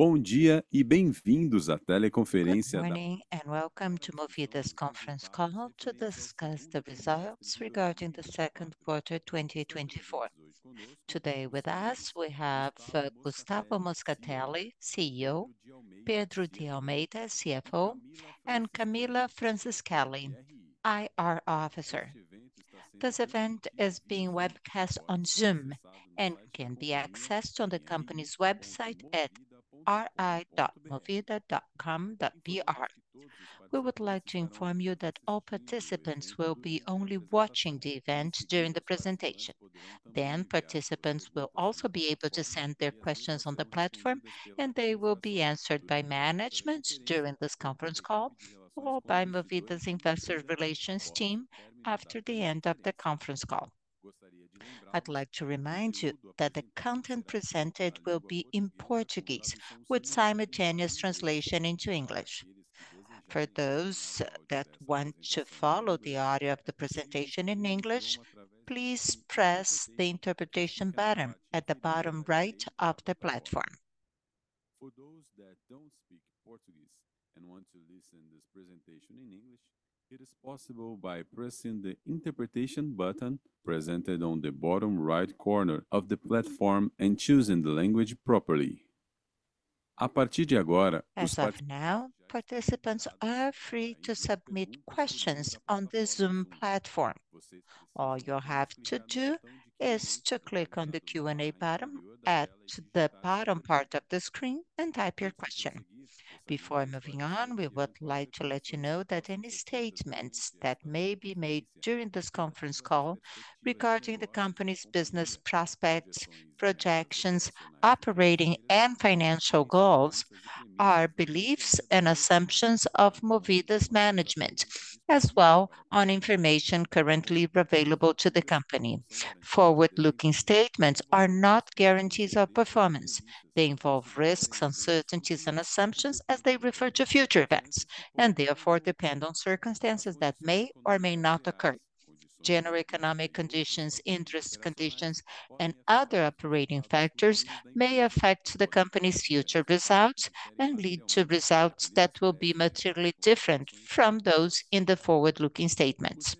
Good day, and welcome to Movida's conference call to discuss the results regarding the second quarter, 2024. Today with us, we have Gustavo Moscatelli, CEO, Pedro de Almeida, CFO, and Camila Franceschelli, IR Officer. This event is being webcast on Zoom and can be accessed on the company's website at ri.movida.com.br. We would like to inform you that all participants will be only watching the event during the presentation. Then, participants will also be able to send their questions on the platform, and they will be answered by management during this conference call or by Movida's investor relations team after the end of the conference call. I'd like to remind you that the content presented will be in Portuguese, with simultaneous translation into English. For those that want to follow the audio of the presentation in English, please press the Interpretation button at the bottom right of the platform. For those that don't speak Portuguese and want to listen this presentation in English, it is possible by pressing the Interpretation button presented on the bottom right corner of the platform and choosing the language properly. As of now, participants are free to submit questions on this Zoom platform. All you have to do is to click on the Q&A button at the bottom part of the screen and type your question. Before moving on, we would like to let you know that any statements that may be made during this conference call regarding the company's business prospects, projections, operating and financial goals, are beliefs and assumptions of Movida's management, as well as information currently available to the company. Forward-looking statements are not guarantees of performance. They involve risks, uncertainties, and assumptions as they refer to future events, and therefore depend on circumstances that may or may not occur. General economic conditions, interest conditions, and other operating factors may affect the company's future results and lead to results that will be materially different from those in the forward-looking statements.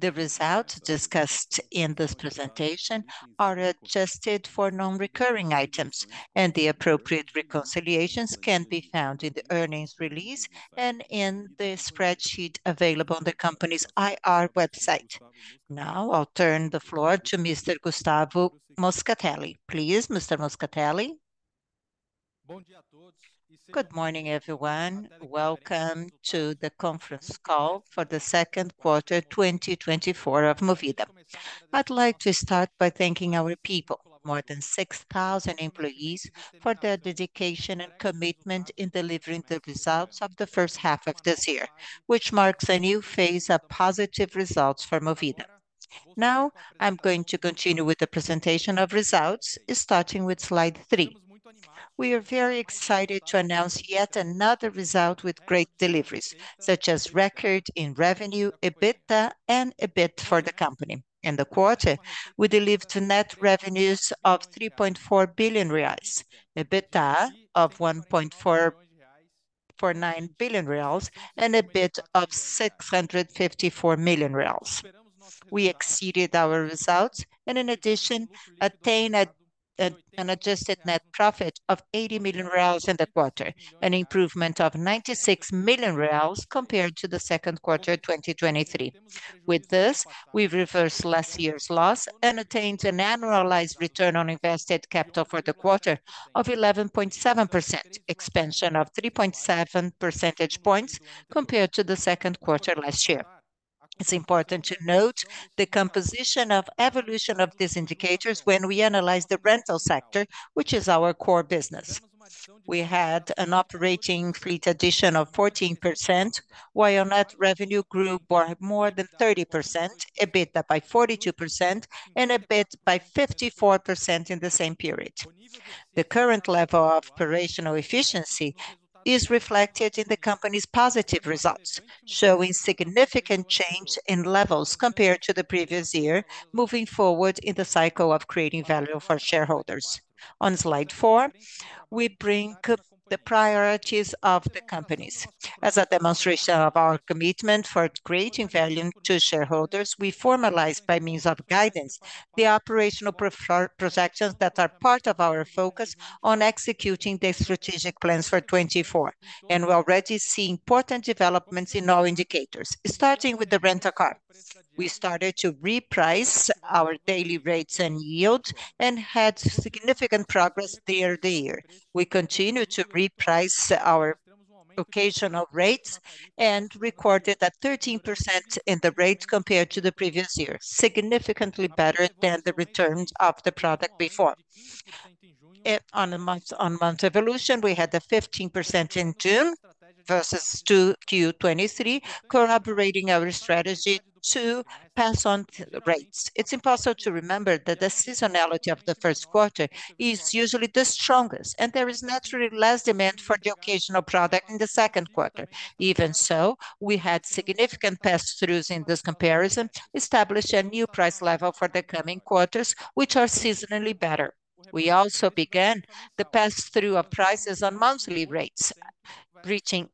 The results discussed in this presentation are adjusted for non-recurring items, and the appropriate reconciliations can be found in the earnings release and in the spreadsheet available on the company's IR website. Now, I'll turn the floor to Mr. Gustavo Moscatelli. Please, Mr. Moscatelli. Good morning, everyone. Welcome to the conference call for the second quarter, 2024 of Movida. I'd like to start by thanking our people, more than 6,000 employees, for their dedication and commitment in delivering the results of the first half of this year, which marks a new phase of positive results for Movida. Now, I'm going to continue with the presentation of results, starting with slide three. We are very excited to announce yet another result with great deliveries, such as record in revenue, EBITDA and EBIT for the company. In the quarter, we delivered net revenues of 3.4 billion reais, EBITDA of 1.449 billion reais, and EBIT of 654 million reais. We exceeded our results, and in addition, attained an adjusted net profit of 80 million reais in the quarter, an improvement of 96 million reais compared to the second quarter of 2023. With this, we've reversed last year's loss and attained an annualized return on invested capital for the quarter of 11.7%, expansion of 3.7 percentage points compared to the second quarter last year. It's important to note the composition of evolution of these indicators when we analyze the rental sector, which is our core business. We had an operating fleet addition of 14%, while our net revenue grew by more than 30%, EBITDA by 42%, and EBIT by 54% in the same period. The current level of operational efficiency is reflected in the company's positive results, showing significant change in levels compared to the previous year, moving forward in the cycle of creating value for shareholders. On slide four, we bring the priorities of the companies. As a demonstration of our commitment for creating value to shareholders, we formalize, by means of guidance, the operational pro forma projections that are part of our focus on executing the strategic plans for 2024, and we're already seeing important developments in all indicators. Starting with the rental cars. We started to reprice our daily rates and yield, and had significant progress year-to-year. We continued to reprice our occasional rates and recorded a 13% in the rates compared to the previous year, significantly better than the returns of the product before. On a month-on-month evolution, we had a 15% in June versus 2Q 2023, corroborating our strategy to pass on rates. It's important to remember that the seasonality of the first quarter is usually the strongest, and there is naturally less demand for the occasional product in the second quarter. Even so, we had significant pass-throughs in this comparison, establishing a new price level for the coming quarters, which are seasonally better. We also began the pass-through of prices on monthly rates, reaching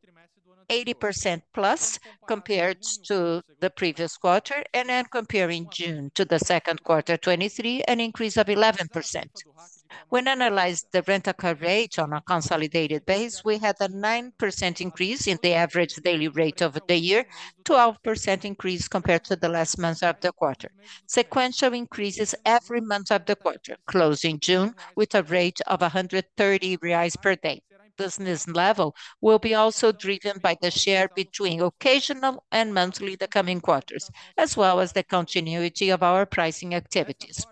80% plus compared to the previous quarter, and then comparing June to the second quarter 2023, an increase of 11%. When analyzed the Rent-a-Car rate on a consolidated base, we had a 9% increase in the average daily rate over the year, 12% increase compared to the last month of the quarter. Sequential increases every month of the quarter, closing June with a rate of 130 reais per day. Business level will be also driven by the share between occasional and monthly the coming quarters, as well as the continuity of our pricing activities.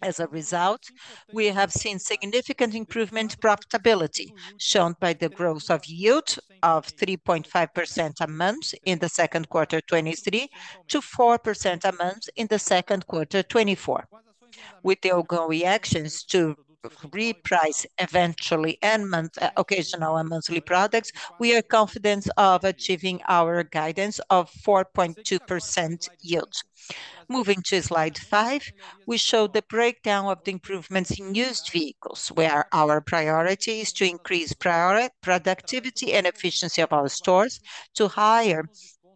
As a result, we have seen significant improvement in profitability, shown by the growth of yield of 3.5% a month in the second quarter 2023, to 4% a month in the second quarter 2024. With the ongoing actions to reprice eventually and month-- occasional and monthly products, we are confident of achieving our guidance of 4.2% yield. Moving to slide five, we show the breakdown of the improvements in used vehicles, where our priority is to increase productivity and efficiency of our stores to higher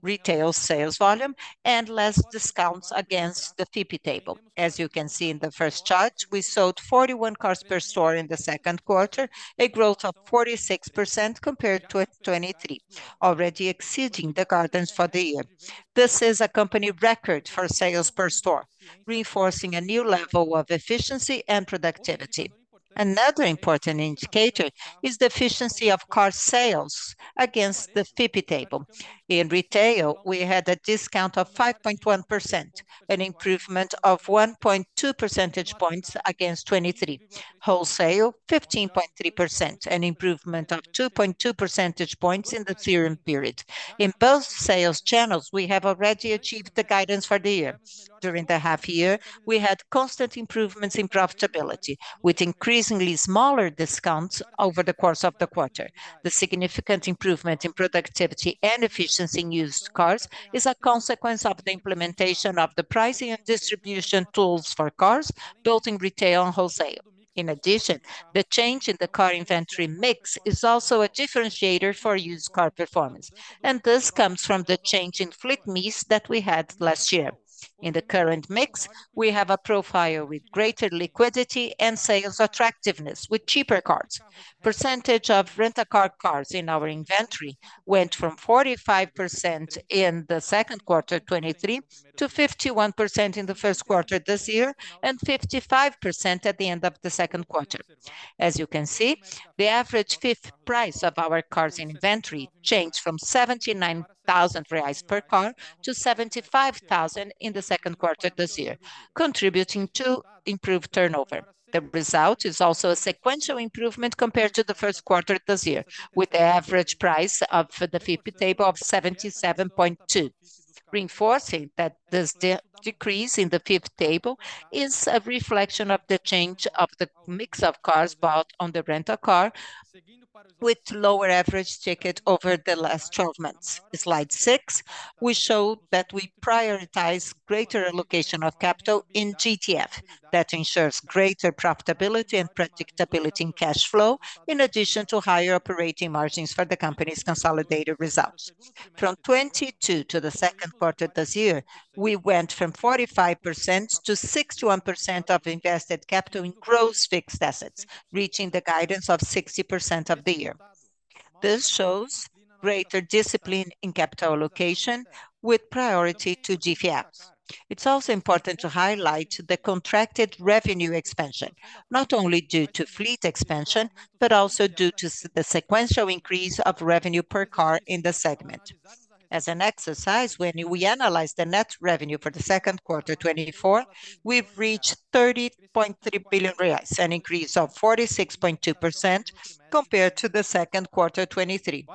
retail sales volume and less discounts against the FIPE table. As you can see in the first chart, we sold 41 cars per store in the second quarter, a growth of 46% compared to 2023, already exceeding the guidance for the year. This is a company record for sales per store, reinforcing a new level of efficiency and productivity. Another important indicator is the efficiency of car sales against the FIPE table. In retail, we had a discount of 5.1%, an improvement of 1.2 percentage points against 2023. Wholesale, 15.3%, an improvement of 2.2 percentage points in the same period. In both sales channels, we have already achieved the guidance for the year. During the half year, we had constant improvements in profitability, with increasingly smaller discounts over the course of the quarter. The significant improvement in productivity and efficiency in used cars is a consequence of the implementation of the pricing and distribution tools for cars, both in retail and wholesale. In addition, the change in the car inventory mix is also a differentiator for used car performance, and this comes from the change in fleet mix that we had last year. In the current mix, we have a profile with greater liquidity and sales attractiveness with cheaper cars. Percentage of Rent-a-Car cars in our inventory went from 45% in the second quarter 2023, to 51% in the first quarter this year, and 55% at the end of the second quarter. As you can see, the average FIPE price of our cars in inventory changed from 79,000 reais per car to 75,000 in the second quarter this year, contributing to improved turnover. The result is also a sequential improvement compared to the first quarter this year, with the average price of the FIPE table of 77,200, reinforcing that this decrease in the FIPE table is a reflection of the change of the mix of cars bought on the Rent-a-Car, with lower average ticket over the last 12 months. Slide six, we show that we prioritize greater allocation of capital in GTF. That ensures greater profitability and predictability in cash flow, in addition to higher operating margins for the company's consolidated results. From 2022 to the second quarter this year, we went from 45% to 61% of invested capital in gross fixed assets, reaching the guidance of 60% of the year. This shows greater discipline in capital allocation with priority to GTFs. It's also important to highlight the contracted revenue expansion, not only due to fleet expansion, but also due to the sequential increase of revenue per car in the segment. As an exercise, when we analyze the net revenue for the second quarter 2024, we've reached 30.3 billion reais, an increase of 46.2% compared to the second quarter 2023.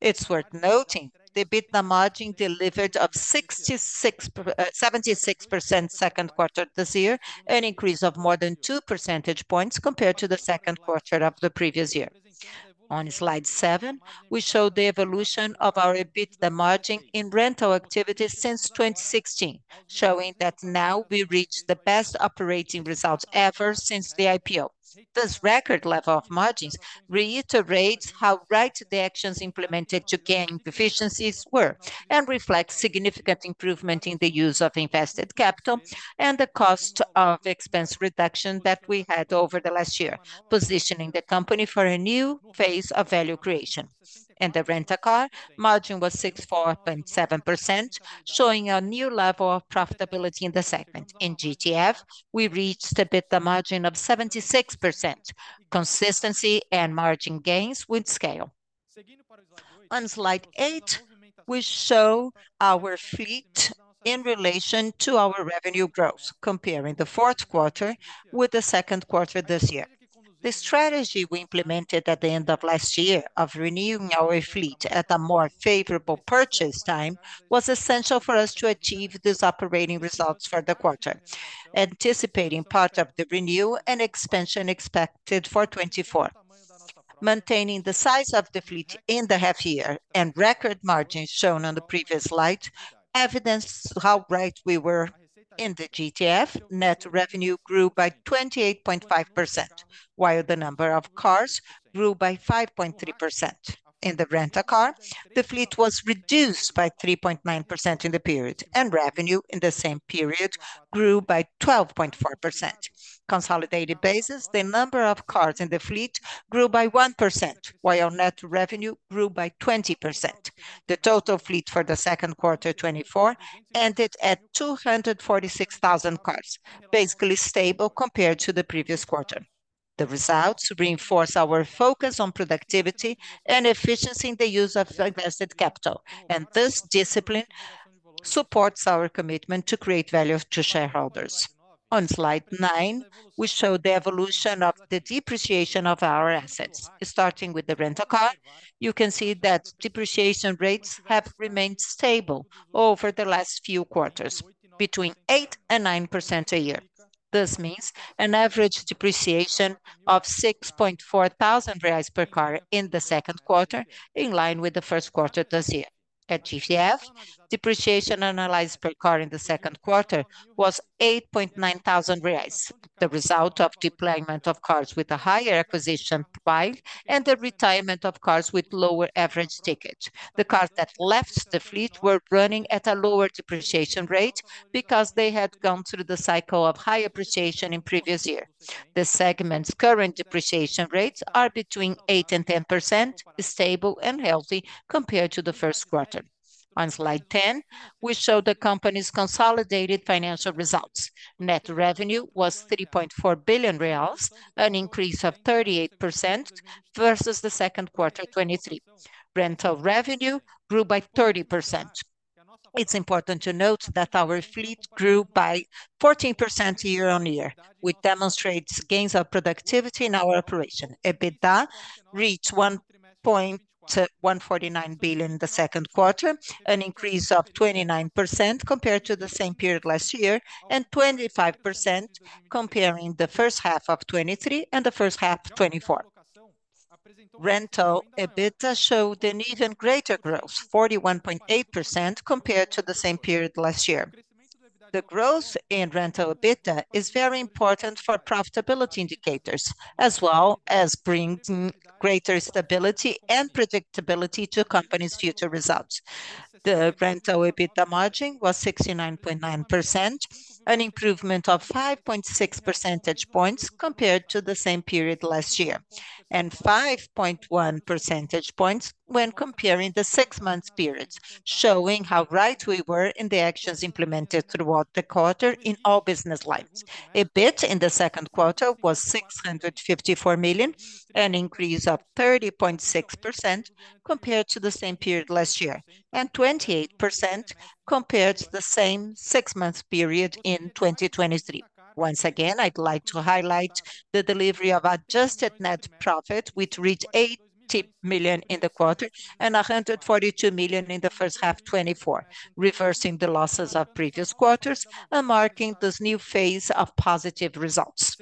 It's worth noting, the EBITDA margin delivered of 76% second quarter this year, an increase of more than two percentage points compared to the second quarter of the previous year. On slide seven, we show the evolution of our EBITDA margin in rental activities since 2016, showing that now we reach the best operating results ever since the IPO. This record level of margins reiterates how right the actions implemented to gain efficiencies were, and reflects significant improvement in the use of invested capital and the cost of expense reduction that we had over the last year, positioning the company for a new phase of value creation. In the Rent-a-Car, margin was 6.7%, showing a new level of profitability in the segment. In GTF, we reached EBITDA margin of 76%, consistency and margin gains with scale. On slide eight, we show our fleet in relation to our revenue growth, comparing the fourth quarter with the second quarter this year. The strategy we implemented at the end of last year of renewing our fleet at a more favorable purchase time, was essential for us to achieve these operating results for the quarter, anticipating part of the renewal and expansion expected for 2024. Maintaining the size of the fleet in the half year and record margins shown on the previous slide, evidence how right we were. In the GTF, net revenue grew by 28.5%, while the number of cars grew by 5.3%. In the Rent-a-Car, the fleet was reduced by 3.9% in the period, and revenue in the same period grew by 12.4%. Consolidated basis, the number of cars in the fleet grew by 1%, while net revenue grew by 20%. The total fleet for the second quarter 2024 ended at 246,000 cars, basically stable compared to the previous quarter. The results reinforce our focus on productivity and efficiency in the use of invested capital, and this discipline supports our commitment to create value to shareholders. On slide nine, we show the evolution of the depreciation of our assets. Starting with the Rent-a-Car, you can see that depreciation rates have remained stable over the last few quarters, between 8% and 9% a year. This means an average depreciation of 6.4 thousand reais per car in the second quarter, in line with the first quarter this year. At GTF, depreciation analyzed per car in the second quarter was 8.9 thousand reais. The result of deployment of cars with a higher acquisition price, and the retirement of cars with lower average ticket. The cars that left the fleet were running at a lower depreciation rate, because they had gone through the cycle of high appreciation in previous year. The segment's current depreciation rates are between 8%-10%, stable and healthy compared to the first quarter. On slide 10, we show the company's consolidated financial results. Net revenue was 3.4 billion reais, an increase of 38% versus the second quarter 2023. Rental revenue grew by 30%. It's important to note that our fleet grew by 14% year-on-year, which demonstrates gains of productivity in our operation. EBITDA reached 1.149 billion in the second quarter, an increase of 29% compared to the same period last year, and 25% comparing the first half of 2023 and the first half 2024. Rental EBITDA showed an even greater growth, 41.8% compared to the same period last year. The growth in rental EBITDA is very important for profitability indicators, as well as bringing greater stability and predictability to a company's future results. The rental EBITDA margin was 69.9%, an improvement of 5.6 percentage points compared to the same period last year, and 5.1 percentage points when comparing the six-month period, showing how right we were in the actions implemented throughout the quarter in all business lines. EBIT in the second quarter was 654 million, an increase of 30.6% compared to the same period last year, and 28% compared to the same six-month period in 2023. Once again, I'd like to highlight the delivery of adjusted net profit, which reached 80 million in the quarter and 142 million in the first half 2024, reversing the losses of previous quarters and marking this new phase of positive results.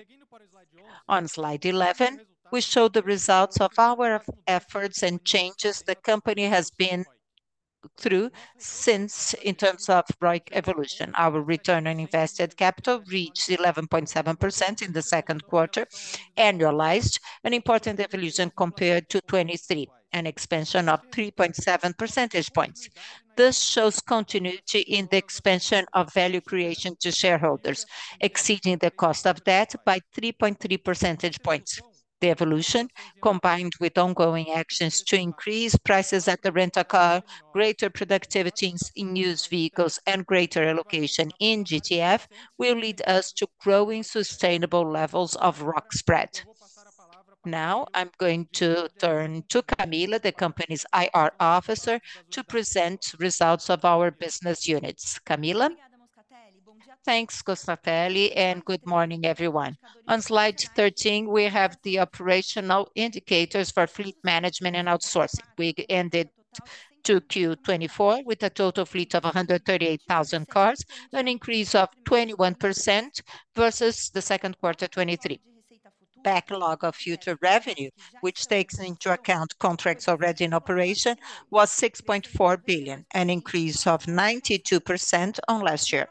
On Slide 11, we show the results of our efforts and changes the company has been through in terms of ROIC evolution. Our return on invested capital reached 11.7% in the second quarter, annualized, an important evolution compared to 2023, an expansion of 3.7 percentage points. This shows continuity in the expansion of value creation to shareholders, exceeding the cost of debt by 3.3 percentage points. The evolution, combined with ongoing actions to increase prices at the Rent-a-Car, greater productivities in used vehicles, and greater allocation in GTF, will lead us to growing sustainable levels of ROIC spread. Now, I'm going to turn to Camila, the company's IR officer, to present results of our business units. Camila? Thanks, Moscatelli, and good morning, everyone. On slide 13, we have the operational indicators for fleet management and outsourcing. We ended 2Q 2024 with a total fleet of 138,000 cars, an increase of 21% versus the second quarter 2023. Backlog of future revenue, which takes into account contracts already in operation, was 6.4 billion, an increase of 92% on last year.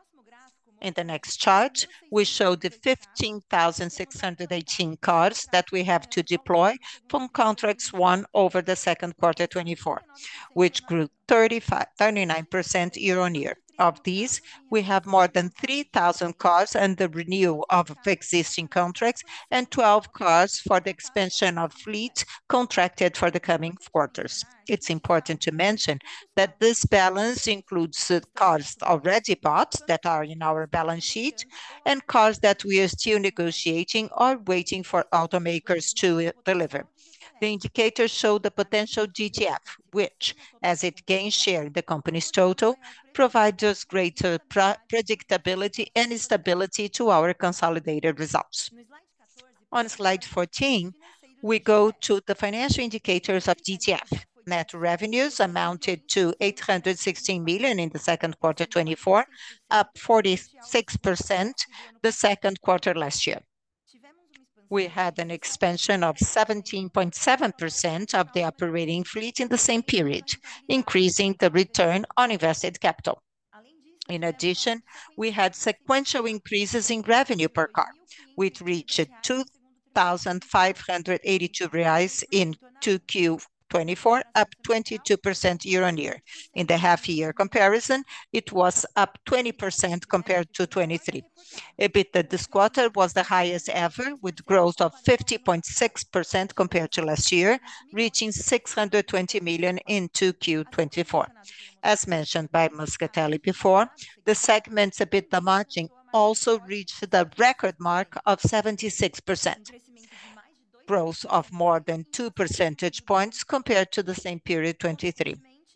In the next chart, we show the 15,618 cars that we have to deploy from contracts won over the second quarter 2024, which grew 39% year-on-year. Of these, we have more than 3,000 cars under renewal of existing contracts, and 12 cars for the expansion of fleet contracted for the coming quarters. It's important to mention that this balance includes the cars already bought that are in our balance sheet, and cars that we are still negotiating or waiting for automakers to deliver. The indicators show the potential GTF, which, as it gains share in the company's total, provides us greater predictability and stability to our consolidated results. On slide 14, we go to the financial indicators of GTF. Net revenues amounted to 816 million in the second quarter 2024, up 46% the second quarter last year. We had an expansion of 17.7% of the operating fleet in the same period, increasing the return on invested capital. In addition, we had sequential increases in revenue per car, which reached 2,582 reais in 2Q 2024, up 22% year-on-year. In the half-year comparison, it was up 20% compared to 2023. EBITDA this quarter was the highest ever, with growth of 50.6% compared to last year, reaching 620 million in 2Q 2024. As mentioned by Moscatelli before, the segment's EBITDA margin also reached the record mark of 76%. Growth of more than two percentage points compared to the same period, 2023.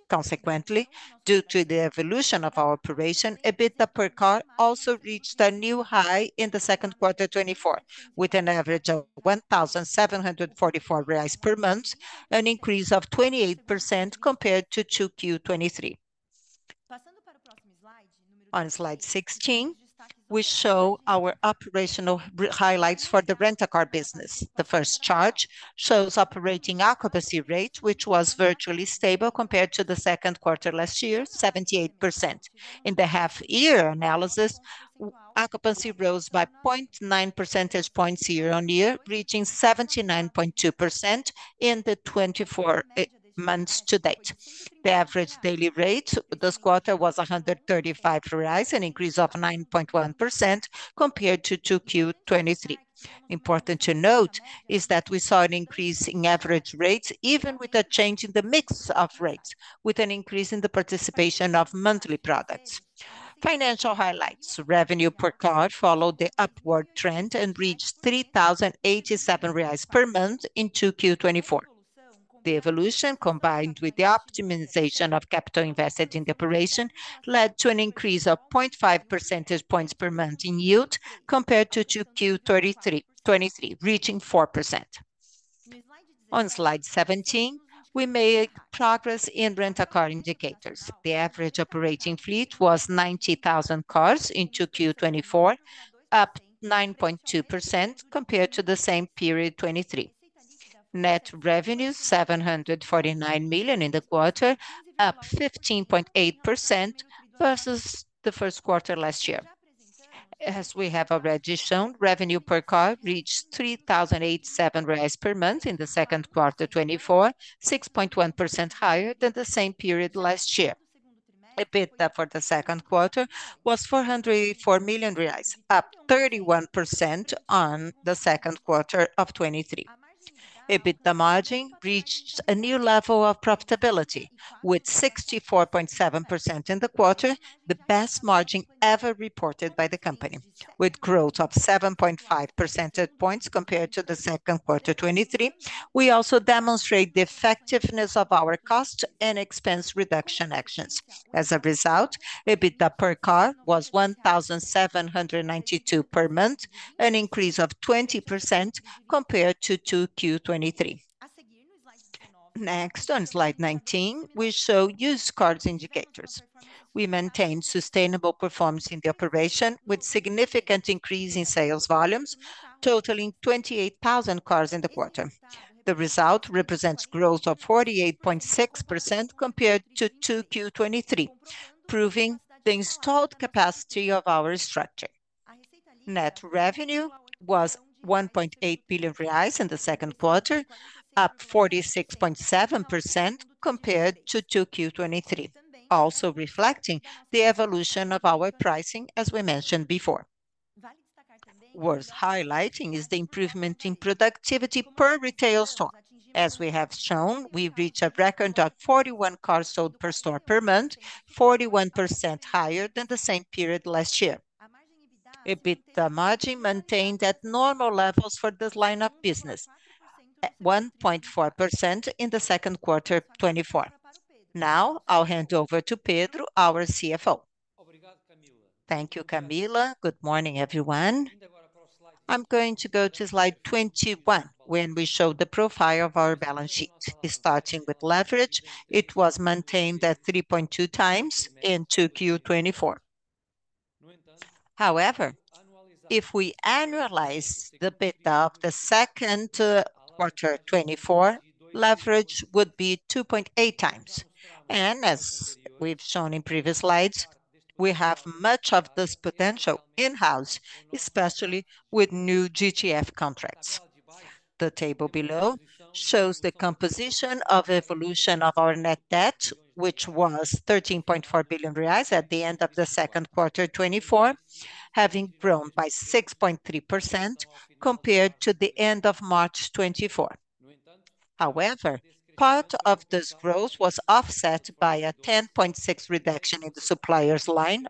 Consequently, due to the evolution of our operation, EBITDA per car also reached a new high in the second quarter 2024, with an average of 1,744 reais per month, an increase of 28% compared to 2Q 2023. On slide 16, we show our operational highlights for the Rent-a-Car business. The first chart shows operating occupancy rate, which was virtually stable compared to the second quarter last year, 78%. In the half-year analysis, occupancy rose by 0.9 percentage points year-on-year, reaching 79.2% in the 2024 months to date. The average daily rate this quarter was 135, an increase of 9.1% compared to 2Q 2023. Important to note, is that we saw an increase in average rates, even with a change in the mix of rates, with an increase in the participation of monthly products. Financial highlights: revenue per car followed the upward trend and reached 3,087 reais per month in 2Q 2024. The evolution, combined with the optimization of capital invested in the operation, led to an increase of 0.5 percentage points per month in yield, compared to 2Q 2023, reaching 4%. On slide 17, we made progress in Rent-a-Car indicators. The average operating fleet was 90,000 cars in 2Q 2024, up 9.2% compared to the same period, 2023. Net revenue, 749 million in the quarter, up 15.8% versus the first quarter last year. As we have already shown, revenue per car reached 3,087 reais per month in the second quarter 2024, 6.1% higher than the same period last year. EBITDA for the second quarter was 404 million reais, up 31% on the second quarter of 2023. EBITDA margin reached a new level of profitability, with 64.7% in the quarter, the best margin ever reported by the company. With growth of 7.5 percentage points compared to the second quarter 2023, we also demonstrate the effectiveness of our cost and expense reduction actions. As a result, EBITDA per car was 1,792 per month, an increase of 20% compared to 2Q 2023. Next, on slide 19, we show used cars indicators. We maintained sustainable performance in the operation, with significant increase in sales volumes, totaling 28,000 cars in the quarter. The result represents growth of 48.6% compared to 2Q 2023, proving the installed capacity of our structure. Net revenue was 1.8 billion reais in the second quarter, up 46.7% compared to 2Q 2023, also reflecting the evolution of our pricing, as we mentioned before. Worth highlighting is the improvement in productivity per retail store. As we have shown, we reached a record of 41 cars sold per store per month, 41% higher than the same period last year. EBITDA margin maintained at normal levels for this line of business, at 1.4% in the second quarter 2024. Now, I'll hand over to Pedro, our CFO. Thank you, Camila. Good morning, everyone. I'm going to go to slide 21, where we show the profile of our balance sheet. Starting with leverage, it was maintained at 3.2 times in 2Q 2024. However, if we annualize the EBITDA of the second quarter 2024, leverage would be 2.8 times. And as we've shown in previous slides, we have much of this potential in-house, especially with new GTF contracts. The table below shows the composition of evolution of our net debt, which was 13.4 billion reais at the end of the second quarter 2024, having grown by 6.3% compared to the end of March 2024. However, part of this growth was offset by a 10.6% reduction in the suppliers line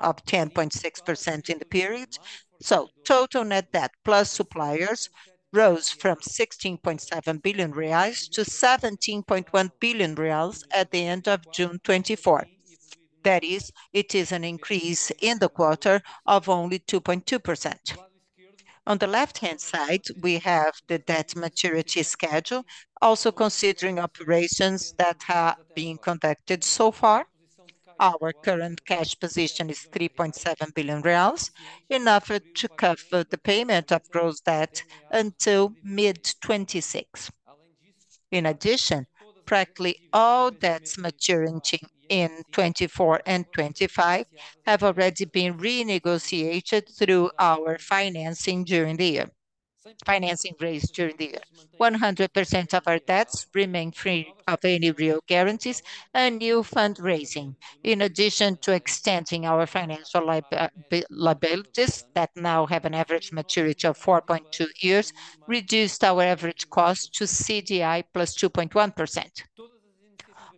of 10.6% in the period. So total net debt plus suppliers rose from 16.7 billion reais to 17.1 billion reais at the end of June 2024. That is, it is an increase in the quarter of only 2.2%. On the left-hand side, we have the debt maturity schedule, also considering operations that have been conducted so far. Our current cash position is 3.7 billion reais, enough to cover the payment of gross debt until mid-2026. In addition, practically all debts maturing in 2024 and 2025 have already been renegotiated through our financing during the year, financing raised during the year. 100% of our debts remain free of any real guarantees and new fundraising. In addition to extending our financial liabilities, that now have an average maturity of 4.2 years, reduced our average cost to CDI plus 2.1%.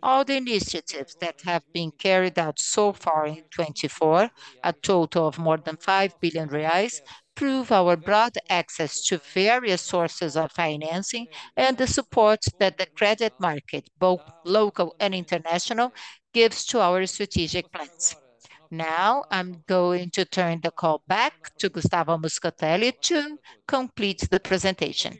All the initiatives that have been carried out so far in 2024, a total of more than 5 billion reais, prove our broad access to various sources of financing and the support that the credit market, both local and international, gives to our strategic plans. Now, I'm going to turn the call back to Gustavo Moscatelli to complete the presentation.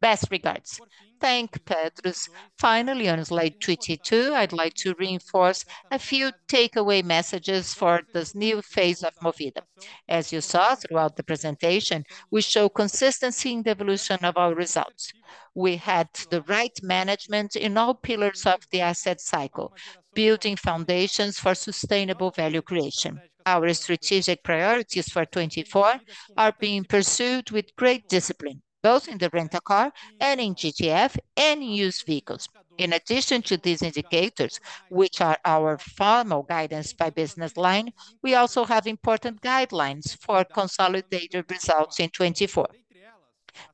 Best regards. Thank Pedro. Finally, on slide 22, I'd like to reinforce a few takeaway messages for this new phase of Movida. As you saw throughout the presentation, we show consistency in the evolution of our results. We had the right management in all pillars of the asset cycle, building foundations for sustainable value creation. Our strategic priorities for 2024 are being pursued with great discipline, both in the Rent-a-Car and in GTF and used vehicles. In addition to these indicators, which are our formal guidance by business line, we also have important guidelines for consolidated results in 2024.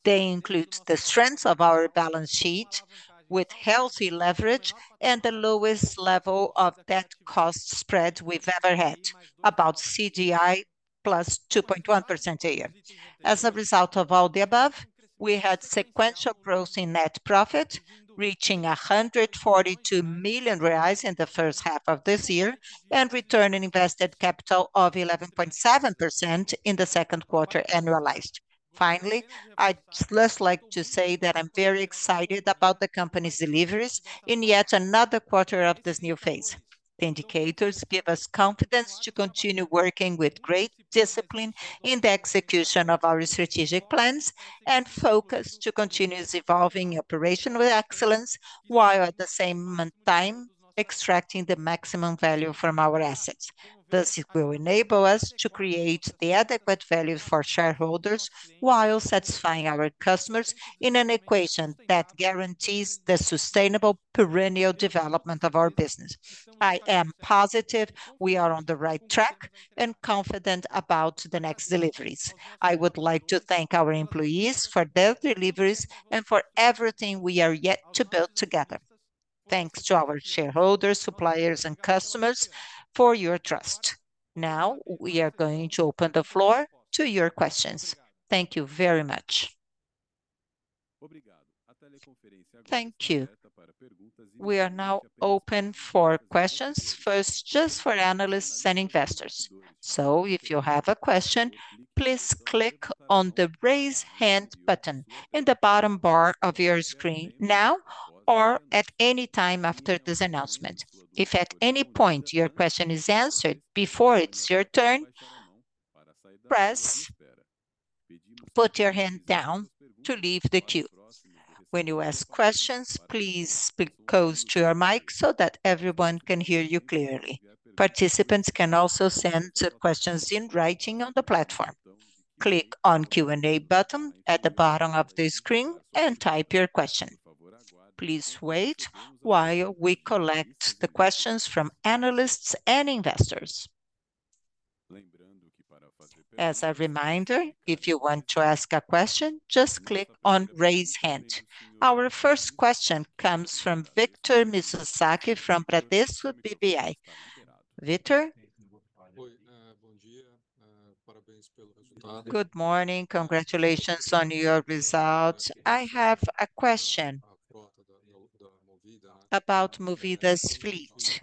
They include the strength of our balance sheet with healthy leverage and the lowest level of debt cost spread we've ever had, about CDI plus 2.1% a year. As a result of all the above, we had sequential growth in net profit, reaching 142 million reais in the first half of this year, and return on invested capital of 11.7% in the second quarter, annualized. Finally, I'd just like to say that I'm very excited about the company's deliveries in yet another quarter of this new phase. The indicators give us confidence to continue working with great discipline in the execution of our strategic plans, and focus to continuous evolving operational excellence, while at the same time extracting the maximum value from our assets. This will enable us to create the adequate value for shareholders, while satisfying our customers in an equation that guarantees the sustainable perennial development of our business. I am positive we are on the right track, and confident about the next deliveries. I would like to thank our employees for their deliveries and for everything we are yet to build together. Thanks to our shareholders, suppliers, and customers for your trust. Now, we are going to open the floor to your questions. Thank you very much. Thank you. We are now open for questions, first just for analysts and investors. So if you have a question, please click on the Raise Hand button in the bottom bar of your screen now, or at any time after this announcement. If at any point your question is answered before it's your turn, press Put Your Hand Down to leave the queue. When you ask questions, please speak close to your mic so that everyone can hear you clearly. Participants can also send questions in writing on the platform. Click on Q&A button at the bottom of the screen and type your question. Please wait while we collect the questions from analysts and investors. As a reminder, if you want to ask a question, just click on Raise Hand. Our first question comes from Victor Mizusaki, from Bradesco BBI. Victor? Good morning. Congratulations on your results. I have a question about Movida's fleet.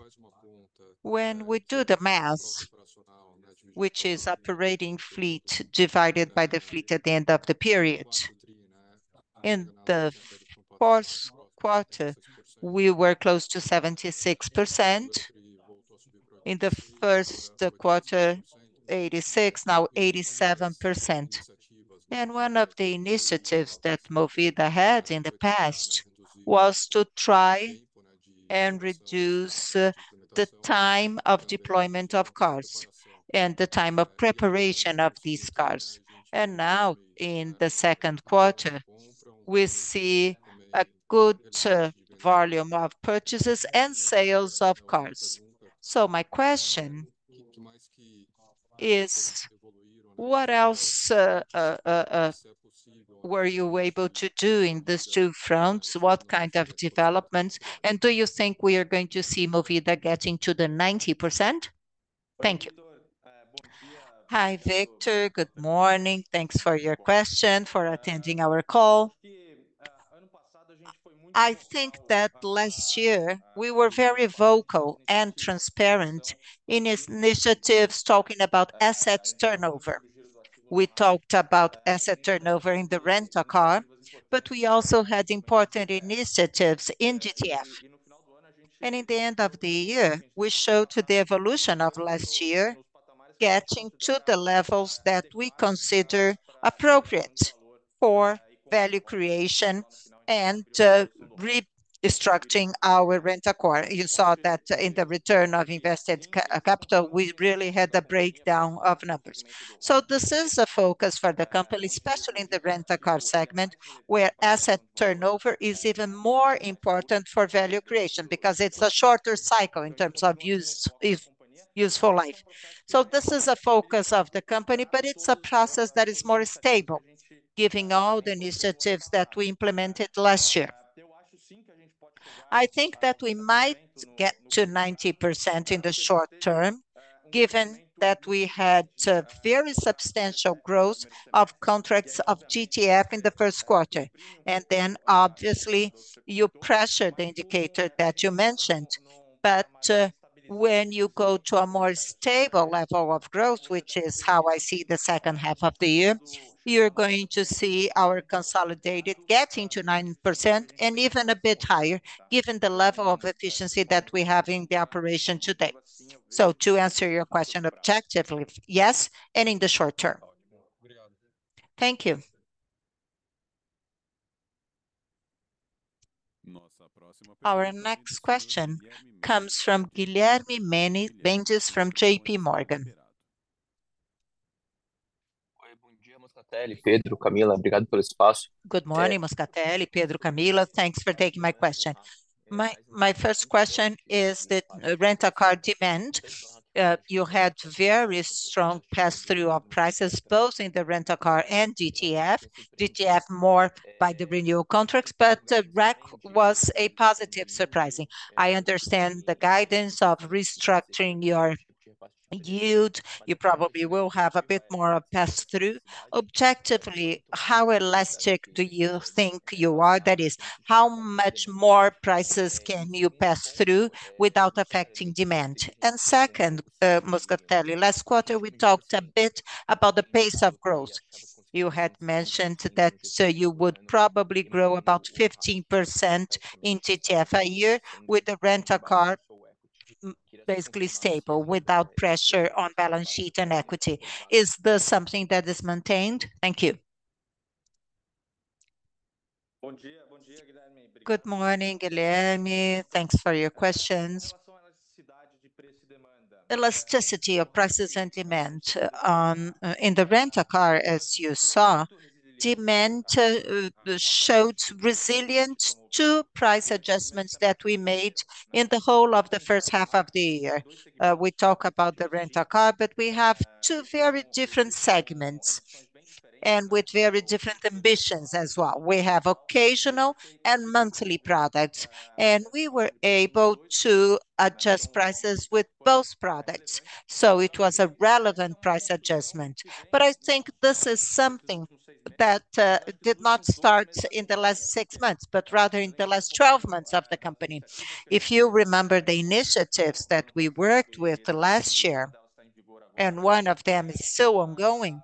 When we do the math, which is operating fleet divided by the fleet at the end of the period, in the first quarter, we were close to 76%. In the first quarter, 86%, now 87%. One of the initiatives that Movida had in the past, was to try and reduce, the time of deployment of cars and the time of preparation of these cars. Now, in the second quarter, we see a good, volume of purchases and sales of cars. So my question is: What else, were you able to do in these two fronts? What kind of developments, and do you think we are going to see Movida getting to the 90%? Thank you. Hi, Victor. Good morning. Thanks for your question, for attending our call. I think that last year we were very vocal and transparent in initiatives talking about asset turnover. We talked about asset turnover in the Rent-a-Car, but we also had important initiatives in GTF. In the end of the year, we showed to the evolution of last year, getting to the levels that we consider appropriate for value creation and restructuring our Rent-a-Car. You saw that in the return of invested capital, we really had a breakdown of numbers. So this is a focus for the company, especially in the Rent-a-Car segment, where asset turnover is even more important for value creation, because it's a shorter cycle in terms of useful life. So this is a focus of the company, but it's a process that is more stable, given all the initiatives that we implemented last year. I think that we might get to 90% in the short term, given that we had very substantial growth of contracts of GTF in the first quarter. Then obviously, you pressure the indicator that you mentioned. But when you go to a more stable level of growth, which is how I see the second half of the year, you're going to see our consolidated getting to 90% and even a bit higher, given the level of efficiency that we have in the operation today. So to answer your question objectively, yes, and in the short term. Thank you. Our next question comes from Guilherme Mendes, from J.P. Morgan. Good morning, Moscatelli, Pedro, Camila. Thanks for taking my question. My first question is the Rent-a-Car demand. You had very strong pass-through of prices, both in the Rent-a-Car and GTF. GTF more by the renewal contracts, but the RAC was a positive surprising. I understand the guidance of restructuring your yield, you probably will have a bit more of pass-through. Objectively, how elastic do you think you are? That is, how much more prices can you pass through without affecting demand? And second, Moscatelli, last quarter, we talked a bit about the pace of growth. You had mentioned that, so you would probably grow about 15% in GTF a year with the Rent-a-Car, basically stable, without pressure on balance sheet and equity. Is this something that is maintained? Thank you. Good morning, Guilherme. Thanks for your questions. Elasticity of prices and demand. In the Rent-a-Car, as you saw, demand showed resilience to price adjustments that we made in the whole of the first half of the year. We talk about the Rent-a-Car, but we have two very different segments, and with very different ambitions as well. We have occasional and monthly products, and we were able to adjust prices with both products, so it was a relevant price adjustment. But I think this is something that did not start in the last six months, but rather in the last twelve months of the company. If you remember the initiatives that we worked with last year, and one of them is still ongoing,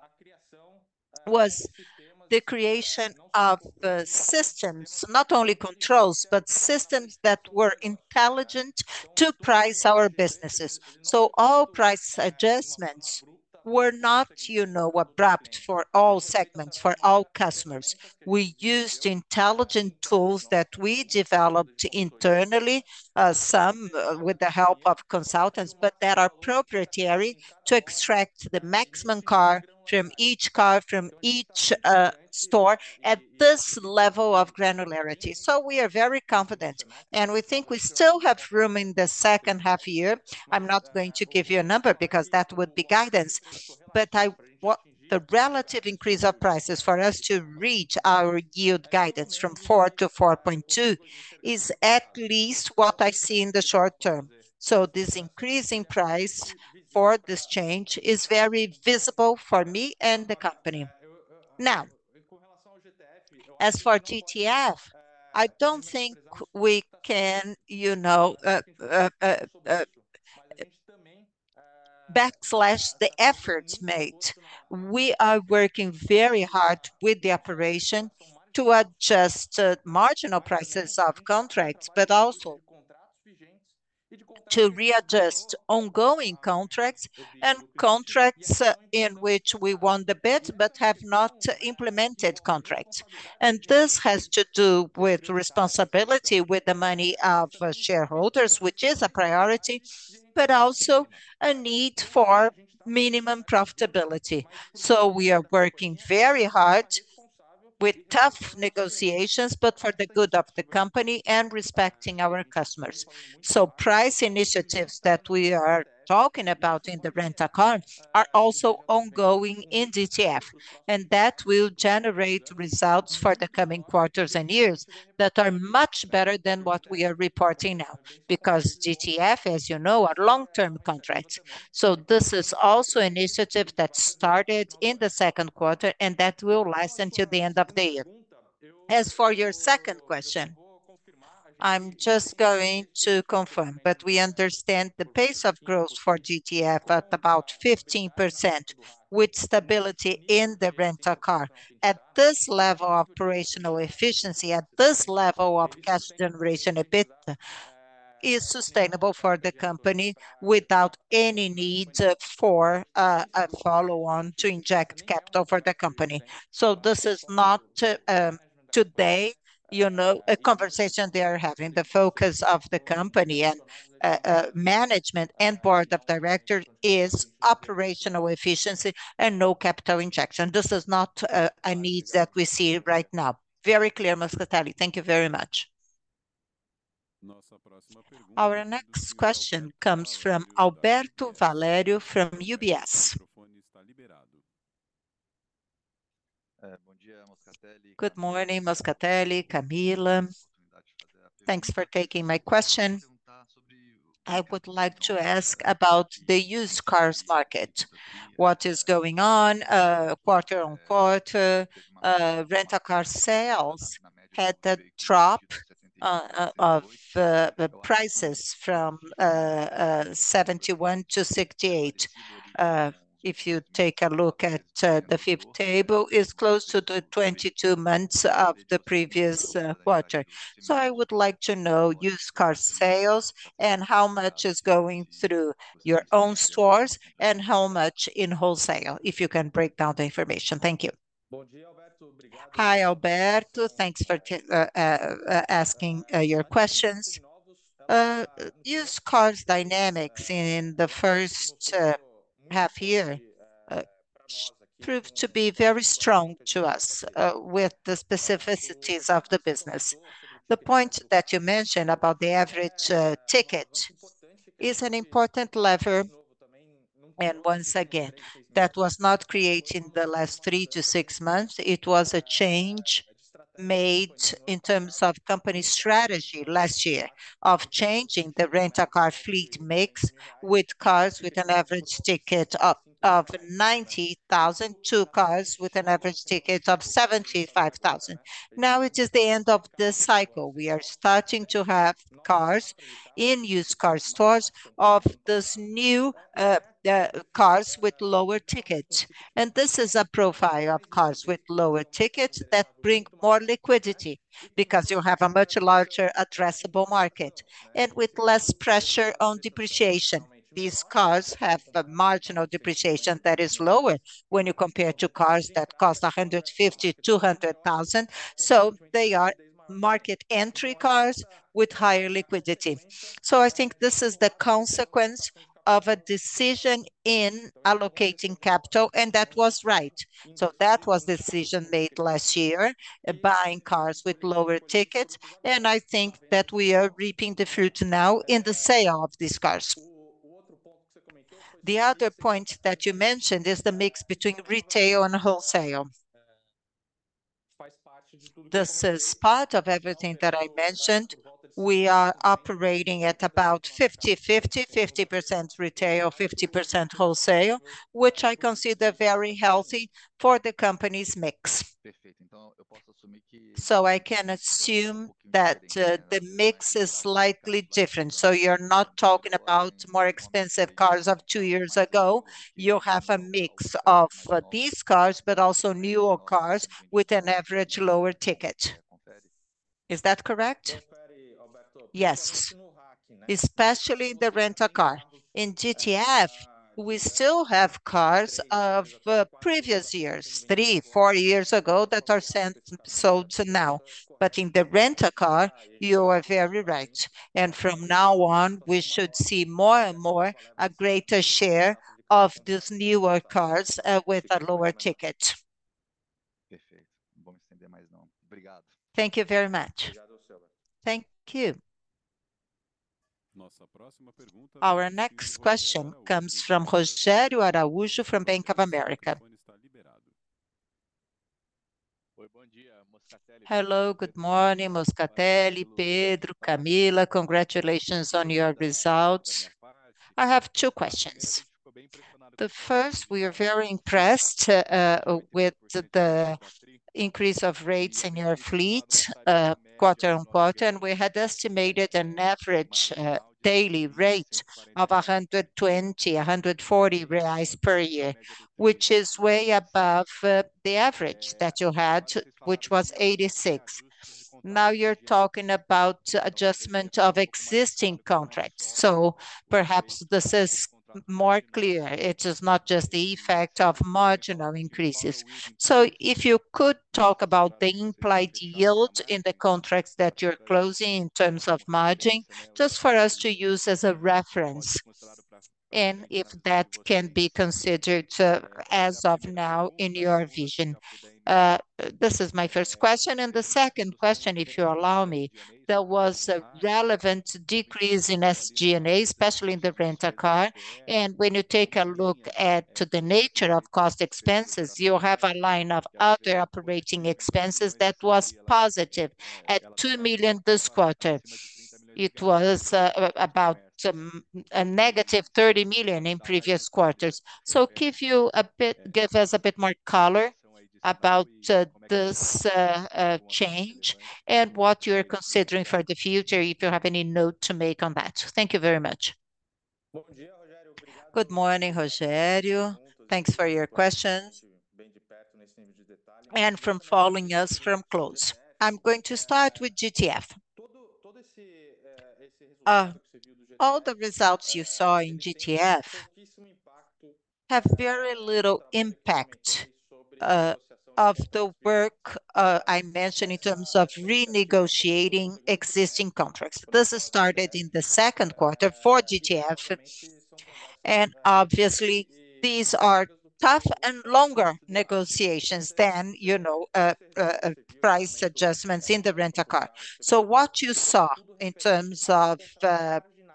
was the creation of systems, not only controls, but systems that were intelligent to price our businesses. So all price adjustments were not, you know, abrupt for all segments, for all customers. We used intelligent tools that we developed internally, some with the help of consultants, but that are proprietary to extract the maximum car from each car, from each store at this level of granularity. So we are very confident, and we think we still have room in the second half year. I'm not going to give you a number because that would be guidance, but the relative increase of prices for us to reach our yield guidance from four to 4.2 is at least what I see in the short term. So this increase in price for this change is very visible for me and the company. Now, as for GTF, I don't think we can, you know, backtrack the efforts made. We are working very hard with the operation to adjust marginal prices of contracts, but also to readjust ongoing contracts and contracts in which we won the bid but have not implemented contracts. And this has to do with responsibility with the money of our shareholders, which is a priority, but also a need for minimum profitability. So we are working very hard with tough negotiations, but for the good of the company and respecting our customers. So price initiatives that we are talking about in the Rent-a-Car are also ongoing in GTF, and that will generate results for the coming quarters and years, that are much better than what we are reporting now. Because GTF, as you know, are long-term contracts. So this is also initiative that started in the second quarter, and that will last until the end of the year. As for your second question-... I'm just going to confirm, but we understand the pace of growth for GTF at about 15%, with stability in the Rent-a-Car. At this level of operational efficiency, at this level of cash generation, EBIT is sustainable for the company without any need for a follow-on to inject capital for the company. So this is not today, you know, a conversation they are having. The focus of the company and management and board of directors is operational efficiency and no capital injection. This is not a need that we see right now. Very clear, Moscatelli. Thank you very much. Our next question comes from Alberto Valerio from UBS. Good morning, Moscatelli, Camila. Thanks for taking my question. I would like to ask about the used cars market. What is going on quarter-on-quarter? Rent-a-Car sales had a drop of the prices from 71 to 68. If you take a look at the FIPE table, it's close to the 22 months of the previous quarter. So I would like to know used car sales, and how much is going through your own stores, and how much in wholesale, if you can break down the information. Thank you. Hi, Alberto. Thanks for asking your questions. Used cars dynamics in the first half year proved to be very strong to us with the specificities of the business. The point that you mentioned about the average ticket is an important lever, and once again, that was not created in the last three to six months. It was a change made in terms of company strategy last year, of changing the Rent-a-Car fleet mix with cars with an average ticket of 90,000, to cars with an average ticket of 75,000. Now, it is the end of the cycle. We are starting to have cars in used car stores of this new cars with lower tickets. And this is a profile of cars with lower tickets that bring more liquidity, because you have a much larger addressable market and with less pressure on depreciation. These cars have a marginal depreciation that is lower when you compare to cars that cost 150,000, 200,000, so they are market entry cars with higher liquidity. So I think this is the consequence of a decision in allocating capital, and that was right. So that was the decision made last year, buying cars with lower tickets, and I think that we are reaping the fruits now in the sale of these cars. The other point that you mentioned is the mix between retail and wholesale. This is part of everything that I mentioned. We are operating at about 50/50, 50% retail, 50% wholesale, which I consider very healthy for the company's mix. So I can assume that the mix is slightly different, so you're not talking about more expensive cars of two years ago. You have a mix of these cars, but also newer cars with an average lower ticket. Is that correct? Yes, especially the Rent-a-Car. In GTF, we still have cars of previous years, three, four years ago, that are sold now. But in the Rent-a-Car, you are very right, and from now on, we should see more and more a greater share of these newer cars with a lower ticket. Thank you very much. Thank you. Our next question comes from Rogério Araújo from Bank of America. Hello, good morning, Moscatelli, Pedro, Camila. Congratulations on your results. I have two questions. The first, we are very impressed with the increase of rates in your fleet quarter-on-quarter, and we had estimated an average daily rate of 120, 140 reais per year, which is way above the average that you had, which was 86. Now, you're talking about adjustment of existing contracts, so perhaps this is more clear. It is not just the effect of marginal increases. So if you could talk about the implied yield in the contracts that you're closing in terms of margin, just for us to use as a reference, and if that can be considered, as of now in your vision. This is my first question, and the second question, if you allow me: There was a relevant decrease in SG&A, especially in the Rent-a-Car, and when you take a look at... to the nature of cost expenses, you have a line of other operating expenses that was positive at 2 million this quarter. ... it was about a negative 30 million in previous quarters. So give you a bit- give us a bit more color about this change, and what you're considering for the future, if you have any note to make on that. Thank you very much. Good morning, Rogério. Thanks for your question, and for following us from close. I'm going to start with GTF. All the results you saw in GTF have very little impact of the work I mentioned in terms of renegotiating existing contracts. This started in the second quarter for GTF, and obviously these are tough and longer negotiations than, you know, price adjustments in the Rent-a-Car. So what you saw in terms of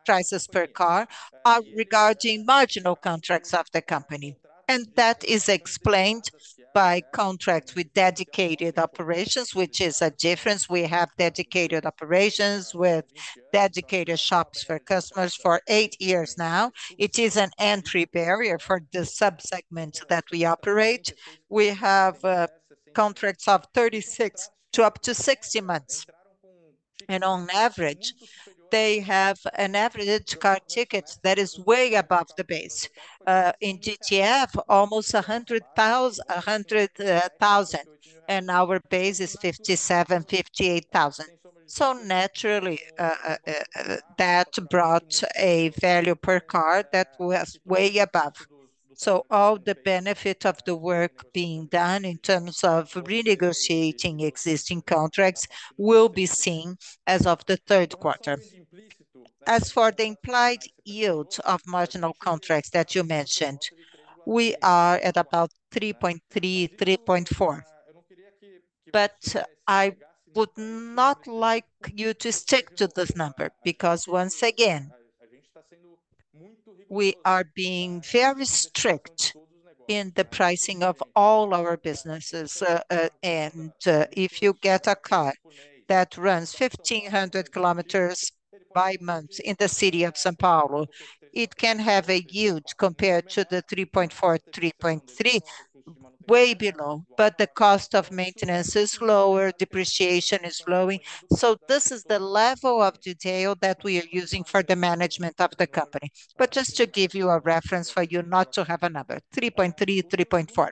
prices per car are regarding marginal contracts of the company, and that is explained by contracts with dedicated operations, which is a difference. We have dedicated operations with dedicated shops for customers for eight years now. It is an entry barrier for the sub-segments that we operate. We have contracts of 36 to up to 60 months, and on average, they have an average car ticket that is way above the base. In GTF, almost BRL 100,000, 100,000, and our base is 57,000, 58,000. So naturally, that brought a value per car that was way above. So all the benefit of the work being done in terms of renegotiating existing contracts will be seen as of the third quarter. As for the implied yield of marginal contracts that you mentioned, we are at about 3.3%-3.4%. But I would not like you to stick to this number, because once again, we are being very strict in the pricing of all our businesses. And if you get a car that runs 1,500 kilometers by month in the city of São Paulo, it can have a yield compared to the 3.4, 3.3, way below, but the cost of maintenance is lower, depreciation is low. So this is the level of detail that we are using for the management of the company. But just to give you a reference for you not to have a number, 3.3, 3.4.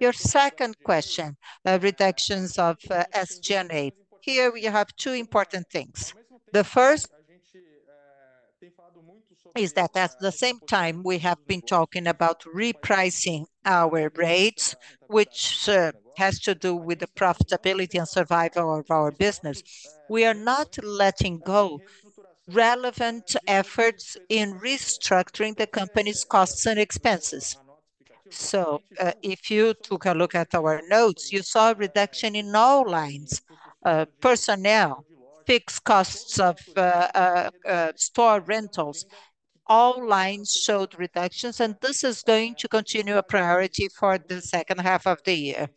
Your second question, reductions of SG&A. Here, we have two important things. The first is that at the same time we have been talking about repricing our rates, which has to do with the profitability and survival of our business, we are not letting go relevant efforts in restructuring the company's costs and expenses. So, if you took a look at our notes, you saw a reduction in all lines: personnel, fixed costs of, store rentals. All lines showed reductions, and this is going to continue a priority for the second half of the year.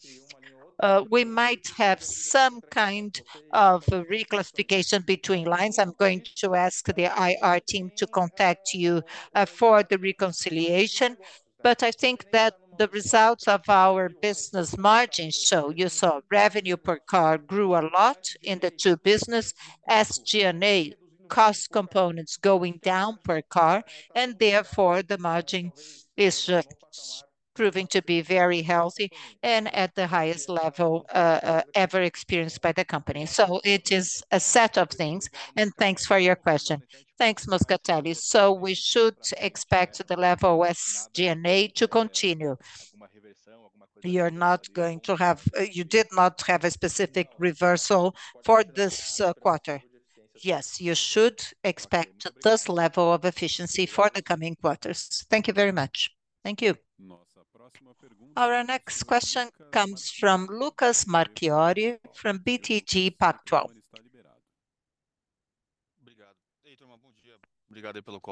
We might have some kind of reclassification between lines. I'm going to ask the IR team to contact you for the reconciliation, but I think that the results of our business margins show... You saw revenue per car grew a lot in the two business, SG&A cost components going down per car, and therefore, the margin is proving to be very healthy and at the highest level ever experienced by the company. So it is a set of things, and thanks for your question. Thanks, Moscatelli. So we should expect the level with SG&A to continue? We are not going to have... you did not have a specific reversal for this quarter. Yes, you should expect this level of efficiency for the coming quarters. Thank you very much. Thank you. Our next question comes from Lucas Marquiori, from BTG Pactual.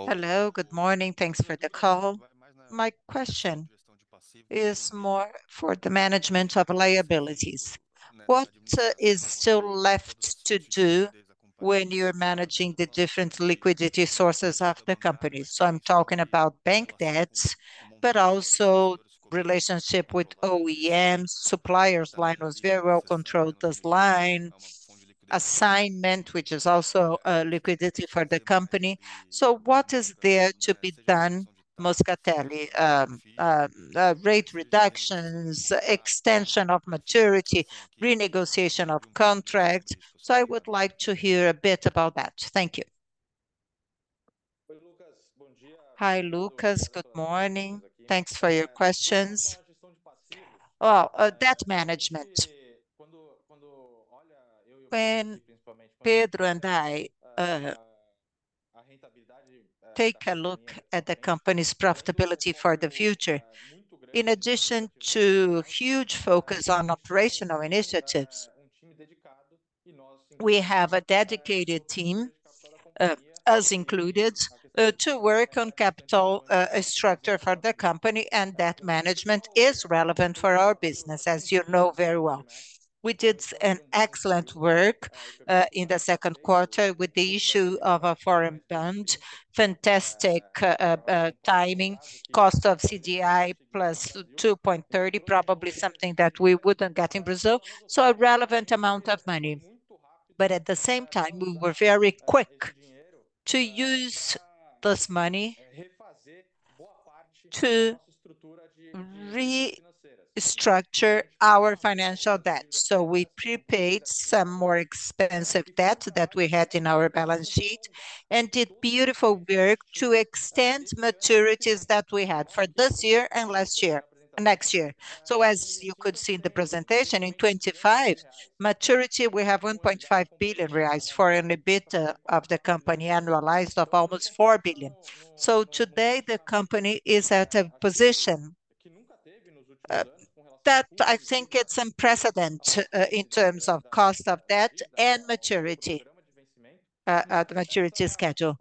Hello, good morning. Thanks for the call. My question is more for the management of liabilities. What is still left to do when you're managing the different liquidity sources of the company? So I'm talking about bank debts, but also relationship with OEMs, suppliers. Line was very well controlled, this line. Assignment, which is also liquidity for the company. So what is there to be done, Moscatelli? Rate reductions, extension of maturity, renegotiation of contracts. So I would like to hear a bit about that. Thank you. Hi, Lucas. Good morning. Thanks for your questions. Debt management. When Pedro and I take a look at the company's profitability for the future, in addition to huge focus on operational initiatives, we have a dedicated team, us included, to work on capital structure for the company, and debt management is relevant for our business, as you know very well. We did an excellent work in the second quarter with the issue of a foreign bond. Fantastic timing, cost of CDI plus 2.30, probably something that we wouldn't get in Brazil, so a relevant amount of money. But at the same time, we were very quick to use this money to restructure our financial debt. So we prepaid some more expensive debt that we had in our balance sheet, and did beautiful work to extend maturities that we had for this year and last year—next year. So as you could see in the presentation, in 2025, maturity, we have 1.5 billion reais for EBITDA of the company, annualized of almost 4 billion. So today, the company is at a position that I think it's unprecedented in terms of cost of debt and maturity maturity schedule.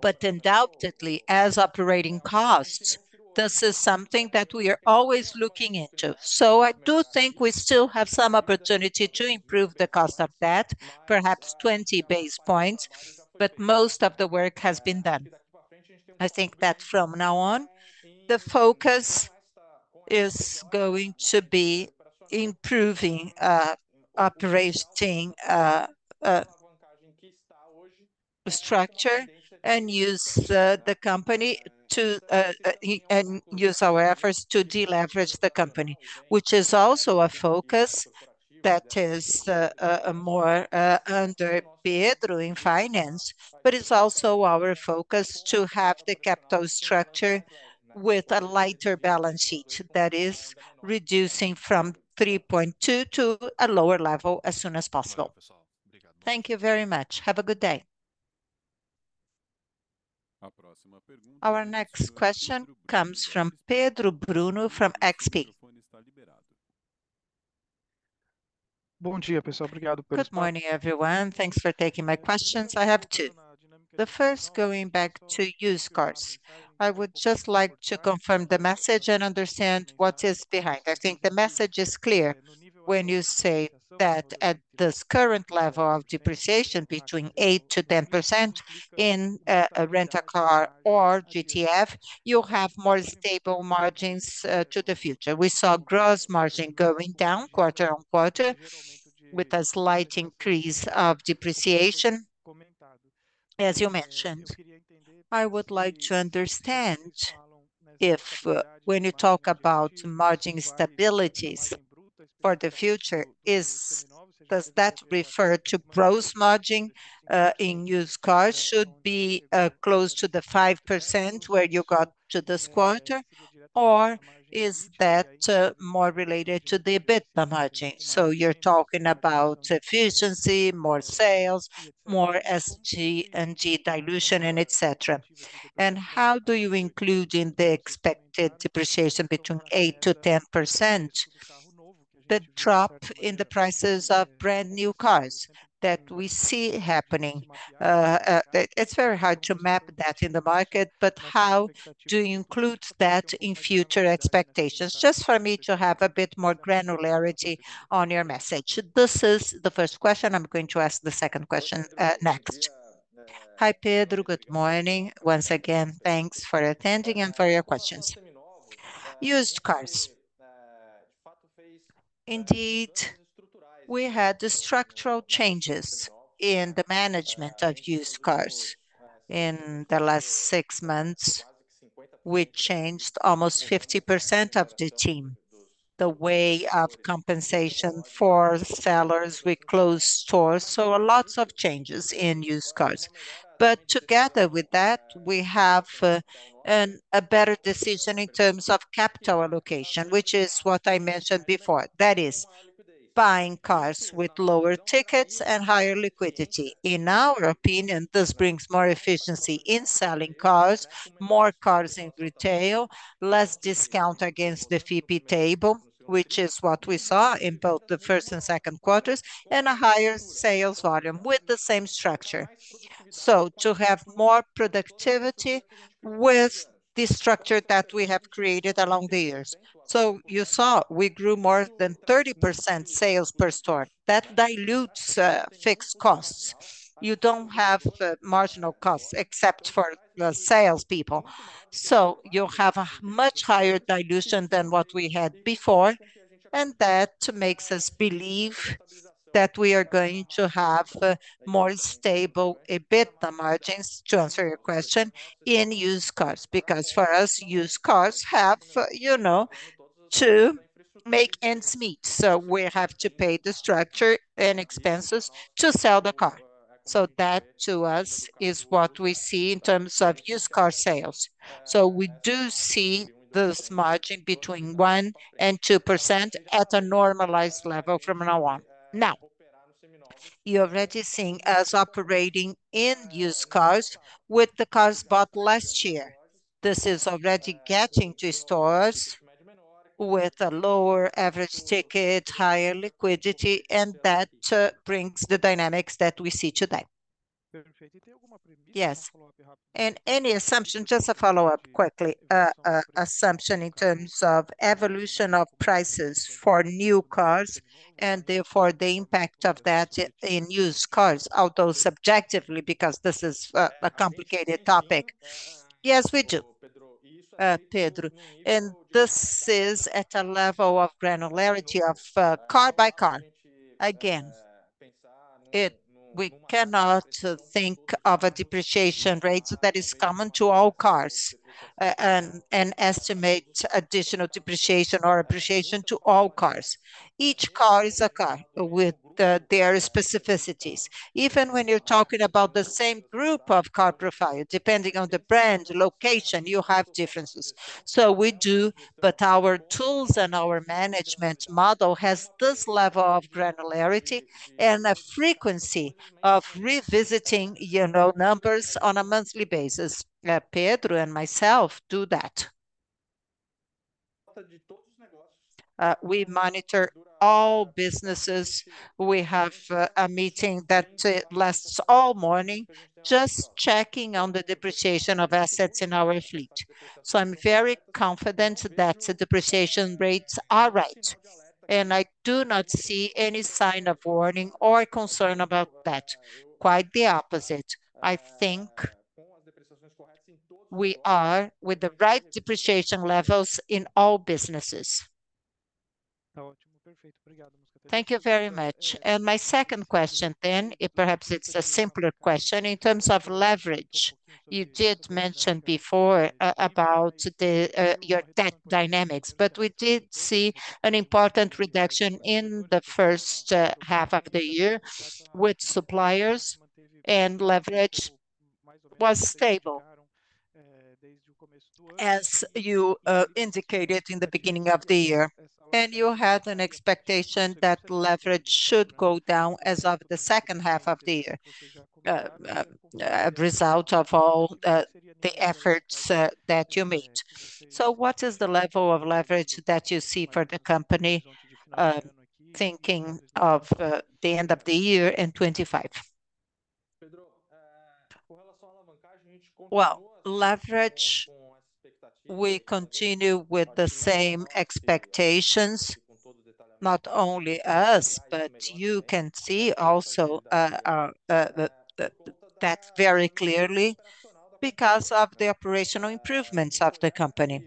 But undoubtedly, as operating costs, this is something that we are always looking into. So I do think we still have some opportunity to improve the cost of debt, perhaps 20 basis points, but most of the work has been done. I think that from now on, the focus is going to be improving operating structure, and use the company to and use our efforts to deleverage the company, which is also a focus that is more under Pedro in finance. But it's also our focus to have the capital structure with a lighter balance sheet that is reducing from 3.2 to a lower level as soon as possible. Thank you very much. Have a good day. Our next question comes from Pedro Bruno, from XP. Good morning, everyone. Thanks for taking my questions. I have two. The first, going back to used cars, I would just like to confirm the message and understand what is behind. I think the message is clear when you say that at this current level of depreciation between 8%-10% in a Rent-a-Car or GTF, you'll have more stable margins to the future. We saw gross margin going down quarter-on-quarter, with a slight increase of depreciation, as you mentioned. I would like to understand if, when you talk about margin stabilities for the future, does that refer to gross margin in used cars should be close to the 5% where you got to this quarter? Or is that more related to the EBITDA margin? So you're talking about efficiency, more sales, more SG&A dilution, and et cetera. And how do you include in the expected depreciation between 8%-10%, the drop in the prices of brand-new cars that we see happening? It's very hard to map that in the market, but how do you include that in future expectations? Just for me to have a bit more granularity on your message. This is the first question. I'm going to ask the second question next. Hi, Pedro. Good morning. Once again, thanks for attending and for your questions. Used cars. Indeed, we had structural changes in the management of used cars in the last six months. We changed almost 50% of the team, the way of compensation for sellers. We closed stores, so lots of changes in used cars. But together with that, we have a better decision in terms of capital allocation, which is what I mentioned before, that is, buying cars with lower tickets and higher liquidity. In our opinion, this brings more efficiency in selling cars, more cars in retail, less discount against the FIPE table, which is what we saw in both the first and second quarters, and a higher sales volume with the same structure. So to have more productivity with the structure that we have created along the years. So you saw we grew more than 30% sales per store. That dilutes fixed costs. You don't have the marginal costs, except for the salespeople, so you have a much higher dilution than what we had before, and that makes us believe that we are going to have more stable EBITDA margins, to answer your question, in used cars. Because for us, used cars have you know, to make ends meet, so we have to pay the structure and expenses to sell the car. So that, to us, is what we see in terms of used car sales. So we do see this margin between 1% and 2% at a normalized level from now on. Now, you're already seeing us operating in used cars with the cars bought last year. This is already getting to stores with a lower average ticket, higher liquidity, and that brings the dynamics that we see today. Yes, and any assumption, just a follow-up quickly, assumption in terms of evolution of prices for new cars, and therefore the impact of that in used cars, although subjectively, because this is a complicated topic. Yes, we do, Pedro, and this is at a level of granularity of car by car. Again, we cannot think of a depreciation rate that is common to all cars, and estimate additional depreciation or appreciation to all cars. Each car is a car with their specificities. Even when you're talking about the same group of car profile, depending on the brand, location, you have differences. So we do, but our tools and our management model has this level of granularity and a frequency of revisiting, you know, numbers on a monthly basis. Pedro and myself do that. We monitor all businesses. We have a meeting that lasts all morning, just checking on the depreciation of assets in our fleet. So I'm very confident that the depreciation rates are right, and I do not see any sign of warning or concern about that. Quite the opposite. I think we are with the right depreciation levels in all businesses. Thank you very much. And my second question then, perhaps it's a simpler question, in terms of leverage. You did mention before about your debt dynamics, but we did see an important reduction in the first half of the year with suppliers, and leverage was stable, as you indicated in the beginning of the year. And you had an expectation that leverage should go down as of the second half of the year, a result of all the efforts that you made. So what is the level of leverage that you see for the company, thinking of, the end of the year in 2025? Well, leverage, we continue with the same expectations. Not only us, but you can see also, that very clearly because of the operational improvements of the company.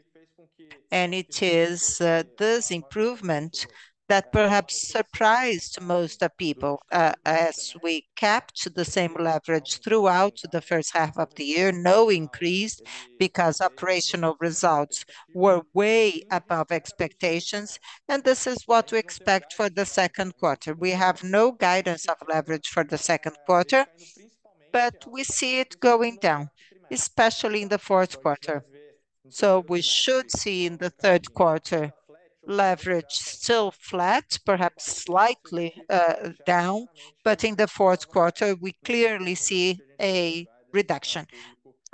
And it is, this improvement that perhaps surprised most people, as we kept the same leverage throughout the first half of the year, no increase, because operational results were way above expectations, and this is what we expect for the second quarter. We have no guidance of leverage for the second quarter, but we see it going down, especially in the fourth quarter. So we should see in the third quarter, leverage still flat, perhaps slightly, down, but in the fourth quarter we clearly see a reduction.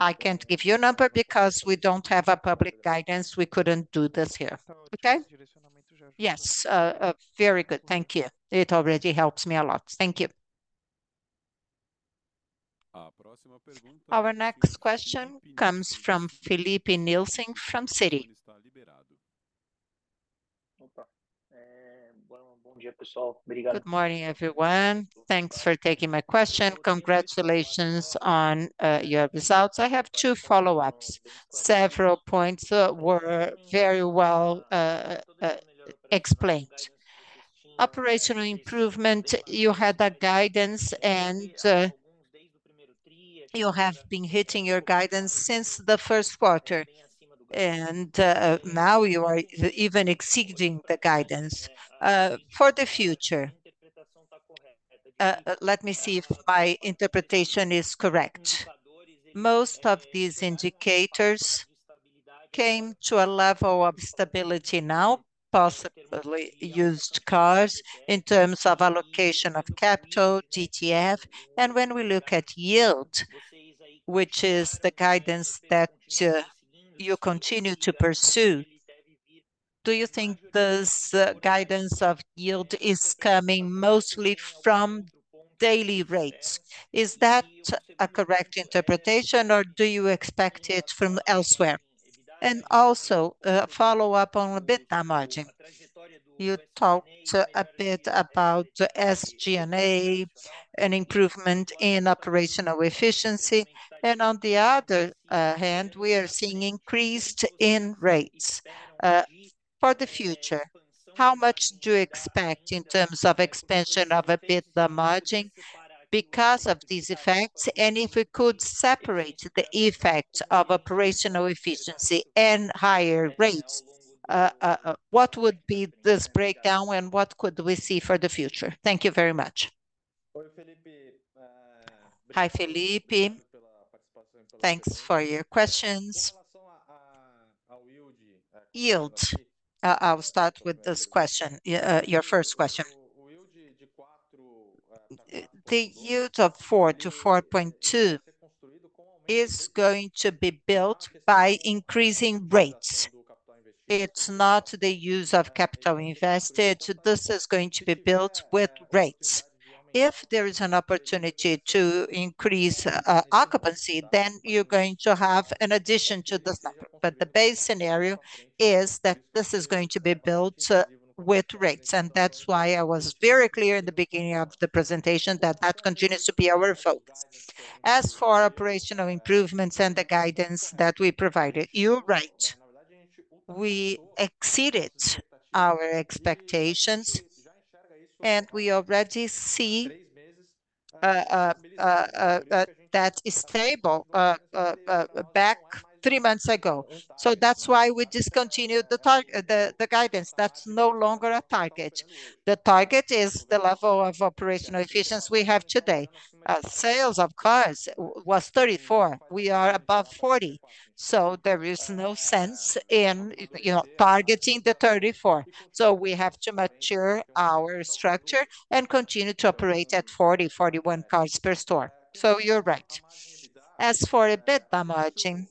I can't give you a number because we don't have a public guidance. We couldn't do this here. Okay? Yes. Very good, thank you. It already helps me a lot. Thank you. Our next question comes from Filipe Nielsen from Citi. Good morning, everyone. Thanks for taking my question. Congratulations on your results. I have two follow-ups. Several points were very well explained. Operational improvement, you had a guidance and you have been hitting your guidance since the first quarter, and now you are even exceeding the guidance. For the future, let me see if my interpretation is correct. Most of these indicators came to a level of stability now, possibly used cars in terms of allocation of capital, GTF. When we look at yield, which is the guidance that you continue to pursue, do you think this guidance of yield is coming mostly from daily rates? Is that a correct interpretation, or do you expect it from elsewhere? Also, follow up on EBITDA margin. You talked a bit about SG&A and improvement in operational efficiency, and on the other hand, we are seeing increased in rates. For the future, how much do you expect in terms of expansion of EBITDA margin because of these effects? And if we could separate the effect of operational efficiency and higher rates, what would be this breakdown, and what could we see for the future? Thank you very much. Hi, Filipe. Thanks for your questions. Yield, I will start with this question, your first question. The yield of four to 4.2 is going to be built by increasing rates. It's not the use of capital invested, this is going to be built with rates. If there is an opportunity to increase occupancy, then you're going to have an addition to this number. But the base scenario is that this is going to be built with rates, and that's why I was very clear in the beginning of the presentation that that continues to be our focus. As for operational improvements and the guidance that we provided, you're right, we exceeded our expectations, and we already see that is stable back three months ago. So that's why we discontinued the guidance, that's no longer a target. The target is the level of operational efficiency we have today. Sales of cars was 34, we are above 40, so there is no sense in, you know, targeting the 34. So we have to mature our structure and continue to operate at 40, 41 cars per store. So you're right. As for EBITDA margin,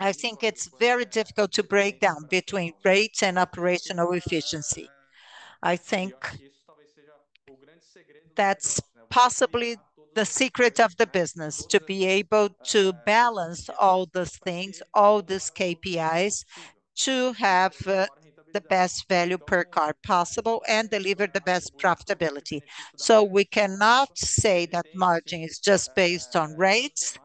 I think it's very difficult to break down between rates and operational efficiency. I think that's possibly the secret of the business, to be able to balance all those things, all these KPIs, to have the best value per car possible and deliver the best profitability. So we cannot say that margin is just based on rates.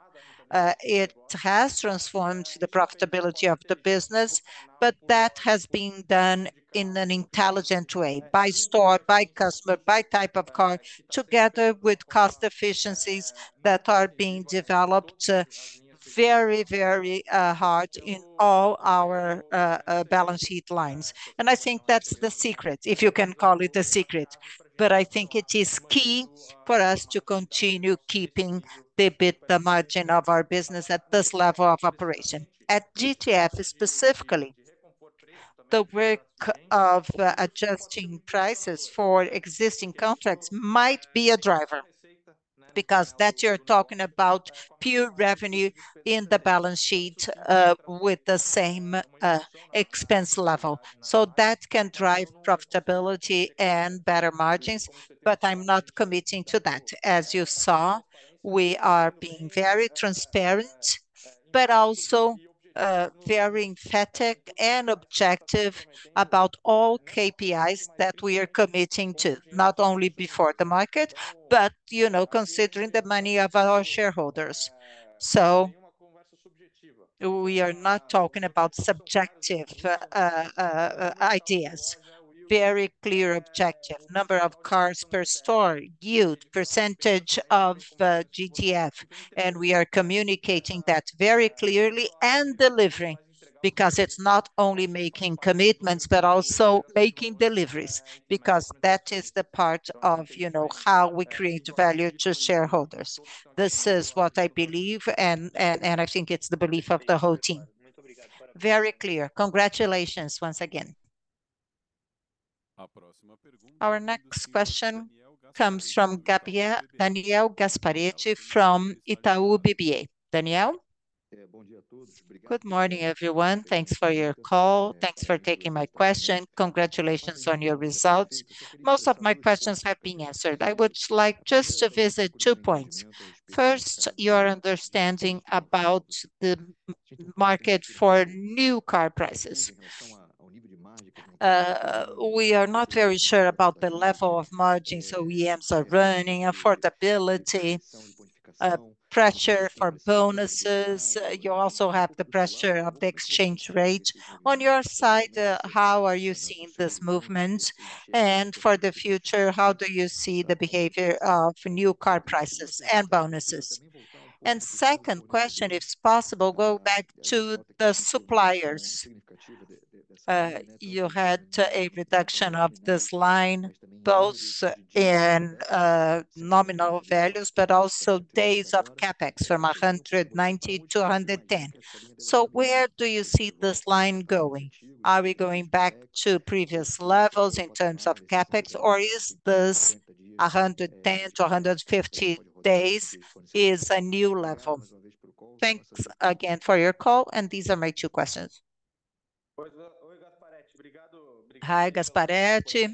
It has transformed the profitability of the business, but that has been done in an intelligent way, by store, by customer, by type of car, together with cost efficiencies that are being developed, very, very hard in all our balance sheet lines. And I think that's the secret, if you can call it a secret. But I think it is key for us to continue keeping the EBITDA margin of our business at this level of operation. At GTF specifically, the work of adjusting prices for existing contracts might be a driver, because that you're talking about pure revenue in the balance sheet, with the same expense level. So that can drive profitability and better margins, but I'm not committing to that. As you saw, we are being very transparent, but also very emphatic and objective about all KPIs that we are committing to, not only before the market, but, you know, considering the money of our shareholders. So we are not talking about subjective ideas. Very clear, objective: number of cars per store, yield, percentage of GTF, and we are communicating that very clearly and delivering. Because it's not only making commitments, but also making deliveries, because that is the part of, you know, how we create value to shareholders. This is what I believe, and I think it's the belief of the whole team. Very clear. Congratulations once again. Our next question comes from Daniel Gasparete from Itaú BBA. Gabriel? Good morning, everyone. Thanks for your call. Thanks for taking my question. Congratulations on your results. Most of my questions have been answered. I would like just to visit two points. First, your understanding about the market for new car prices. We are not very sure about the level of margins OEMs are running, affordability, pressure for bonuses. You also have the pressure of the exchange rate. On your side, how are you seeing this movement? And for the future, how do you see the behavior of new car prices and bonuses? And second question, if possible, go back to the suppliers. You had a reduction of this line, both in nominal values, but also days of CapEx, from 190 to 110. So where do you see this line going? Are we going back to previous levels in terms of CapEx, or is this 110 to 150 days is a new level? Thanks again for your call, and these are my two questions. Hi, Gasparete.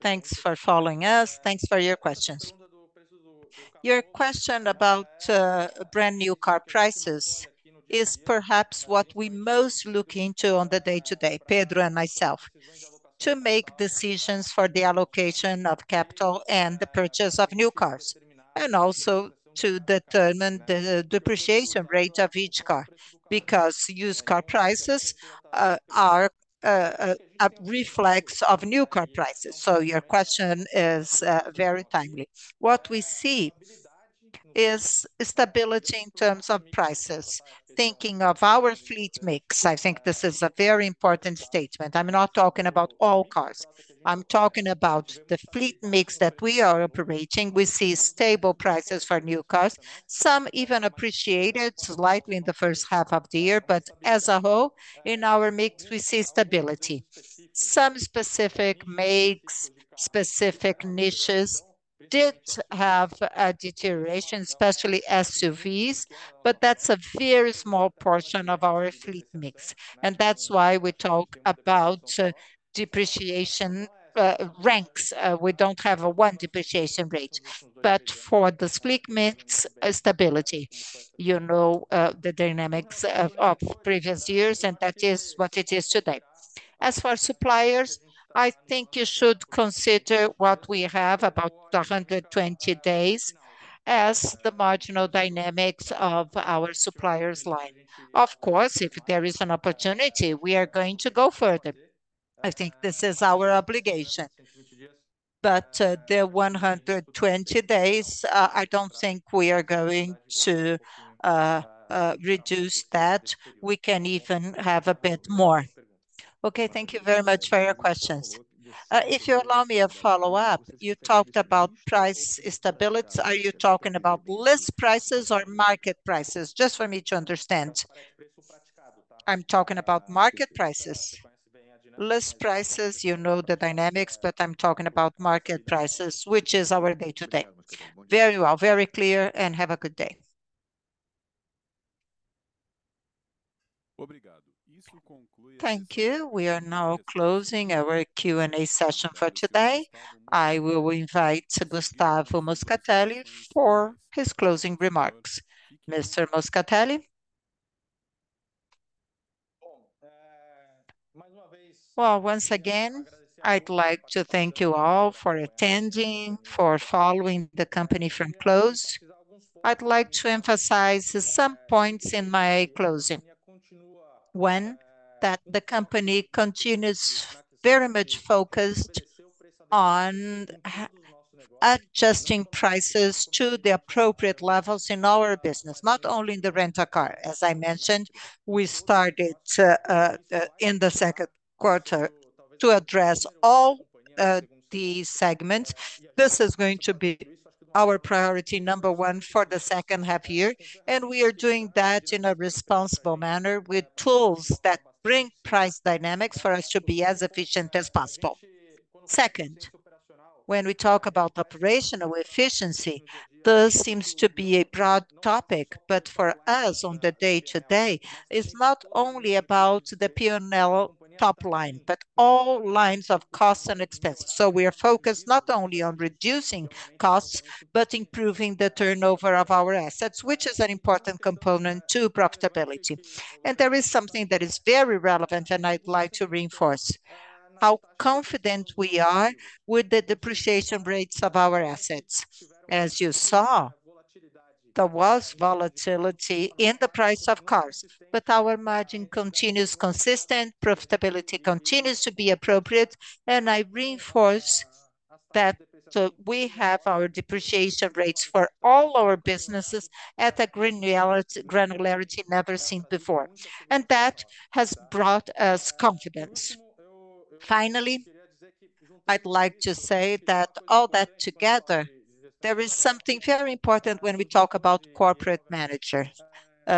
Thanks for following us. Thanks for your questions. Your question about, brand-new car prices is perhaps what we most look into on the day-to-day, Pedro and myself, to make decisions for the allocation of capital and the purchase of new cars, and also to determine the depreciation rate of each car, because used car prices, are, a reflex of new car prices. So your question is, very timely. What we see is stability in terms of prices. Thinking of our fleet mix, I think this is a very important statement. I'm not talking about all cars, I'm talking about the fleet mix that we are operating. We see stable prices for new cars, some even appreciated slightly in the first half of the year, but as a whole, in our mix, we see stability. Some specific makes, specific niches did have a deterioration, especially SUVs, but that's a very small portion of our fleet mix, and that's why we talk about depreciation ranks. We don't have a one depreciation rate. But for the fleet mix, stability, you know, the dynamics of previous years, and that is what it is today. As for suppliers, I think you should consider what we have, about 120 days, as the marginal dynamics of our suppliers line. Of course, if there is an opportunity, we are going to go further. I think this is our obligation. But, the 120 days, I don't think we are going to reduce that. We can even have a bit more. Okay, thank you very much for your questions. If you allow me a follow-up, you talked about price stability. Are you talking about list prices or market prices? Just for me to understand. I'm talking about market prices. List prices, you know the dynamics, but I'm talking about market prices, which is our day-to-day. Very well, very clear, and have a good day. Thank you. We are now closing our Q&A session for today. I will invite Gustavo Moscatelli for his closing remarks. Mr. Moscatelli? Well, once again, I'd like to thank you all for attending, for following the company from close. I'd like to emphasize some points in my closing. One, that the company continues very much focused on adjusting prices to the appropriate levels in our business, not only in the Rent-a-Car. As I mentioned, we started in the second quarter to address all the segments. This is going to be our priority number one for the second half year, and we are doing that in a responsible manner with tools that bring price dynamics for us to be as efficient as possible. Second, when we talk about operational efficiency, this seems to be a broad topic, but for us, on the day-to-day, it's not only about the P&L top line, but all lines of costs and expenses. So we are focused not only on reducing costs, but improving the turnover of our assets, which is an important component to profitability. And there is something that is very relevant, and I'd like to reinforce: how confident we are with the depreciation rates of our assets. As you saw, there was volatility in the price of cars, but our margin continues consistent, profitability continues to be appropriate, and I reinforce that, we have our depreciation rates for all our businesses at a granularity, granularity never seen before, and that has brought us confidence. Finally, I'd like to say that all that together, there is something very important when we talk about corporate manager,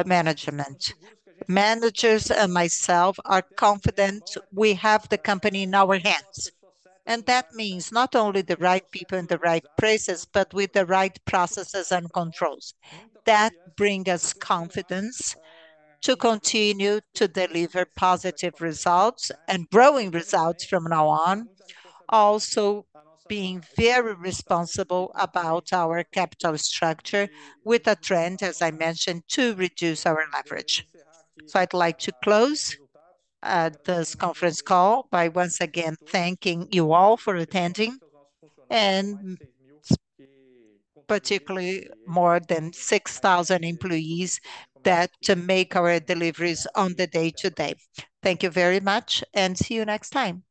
management. Managers and myself are confident we have the company in our hands, and that means not only the right people in the right places, but with the right processes and controls. That bring us confidence to continue to deliver positive results and growing results from now on. Also, being very responsible about our capital structure with a trend, as I mentioned, to reduce our leverage. So I'd like to close this conference call by once again thanking you all for attending, and particularly more than 6,000 employees that make our deliveries on the day-to-day. Thank you very much, and see you next time.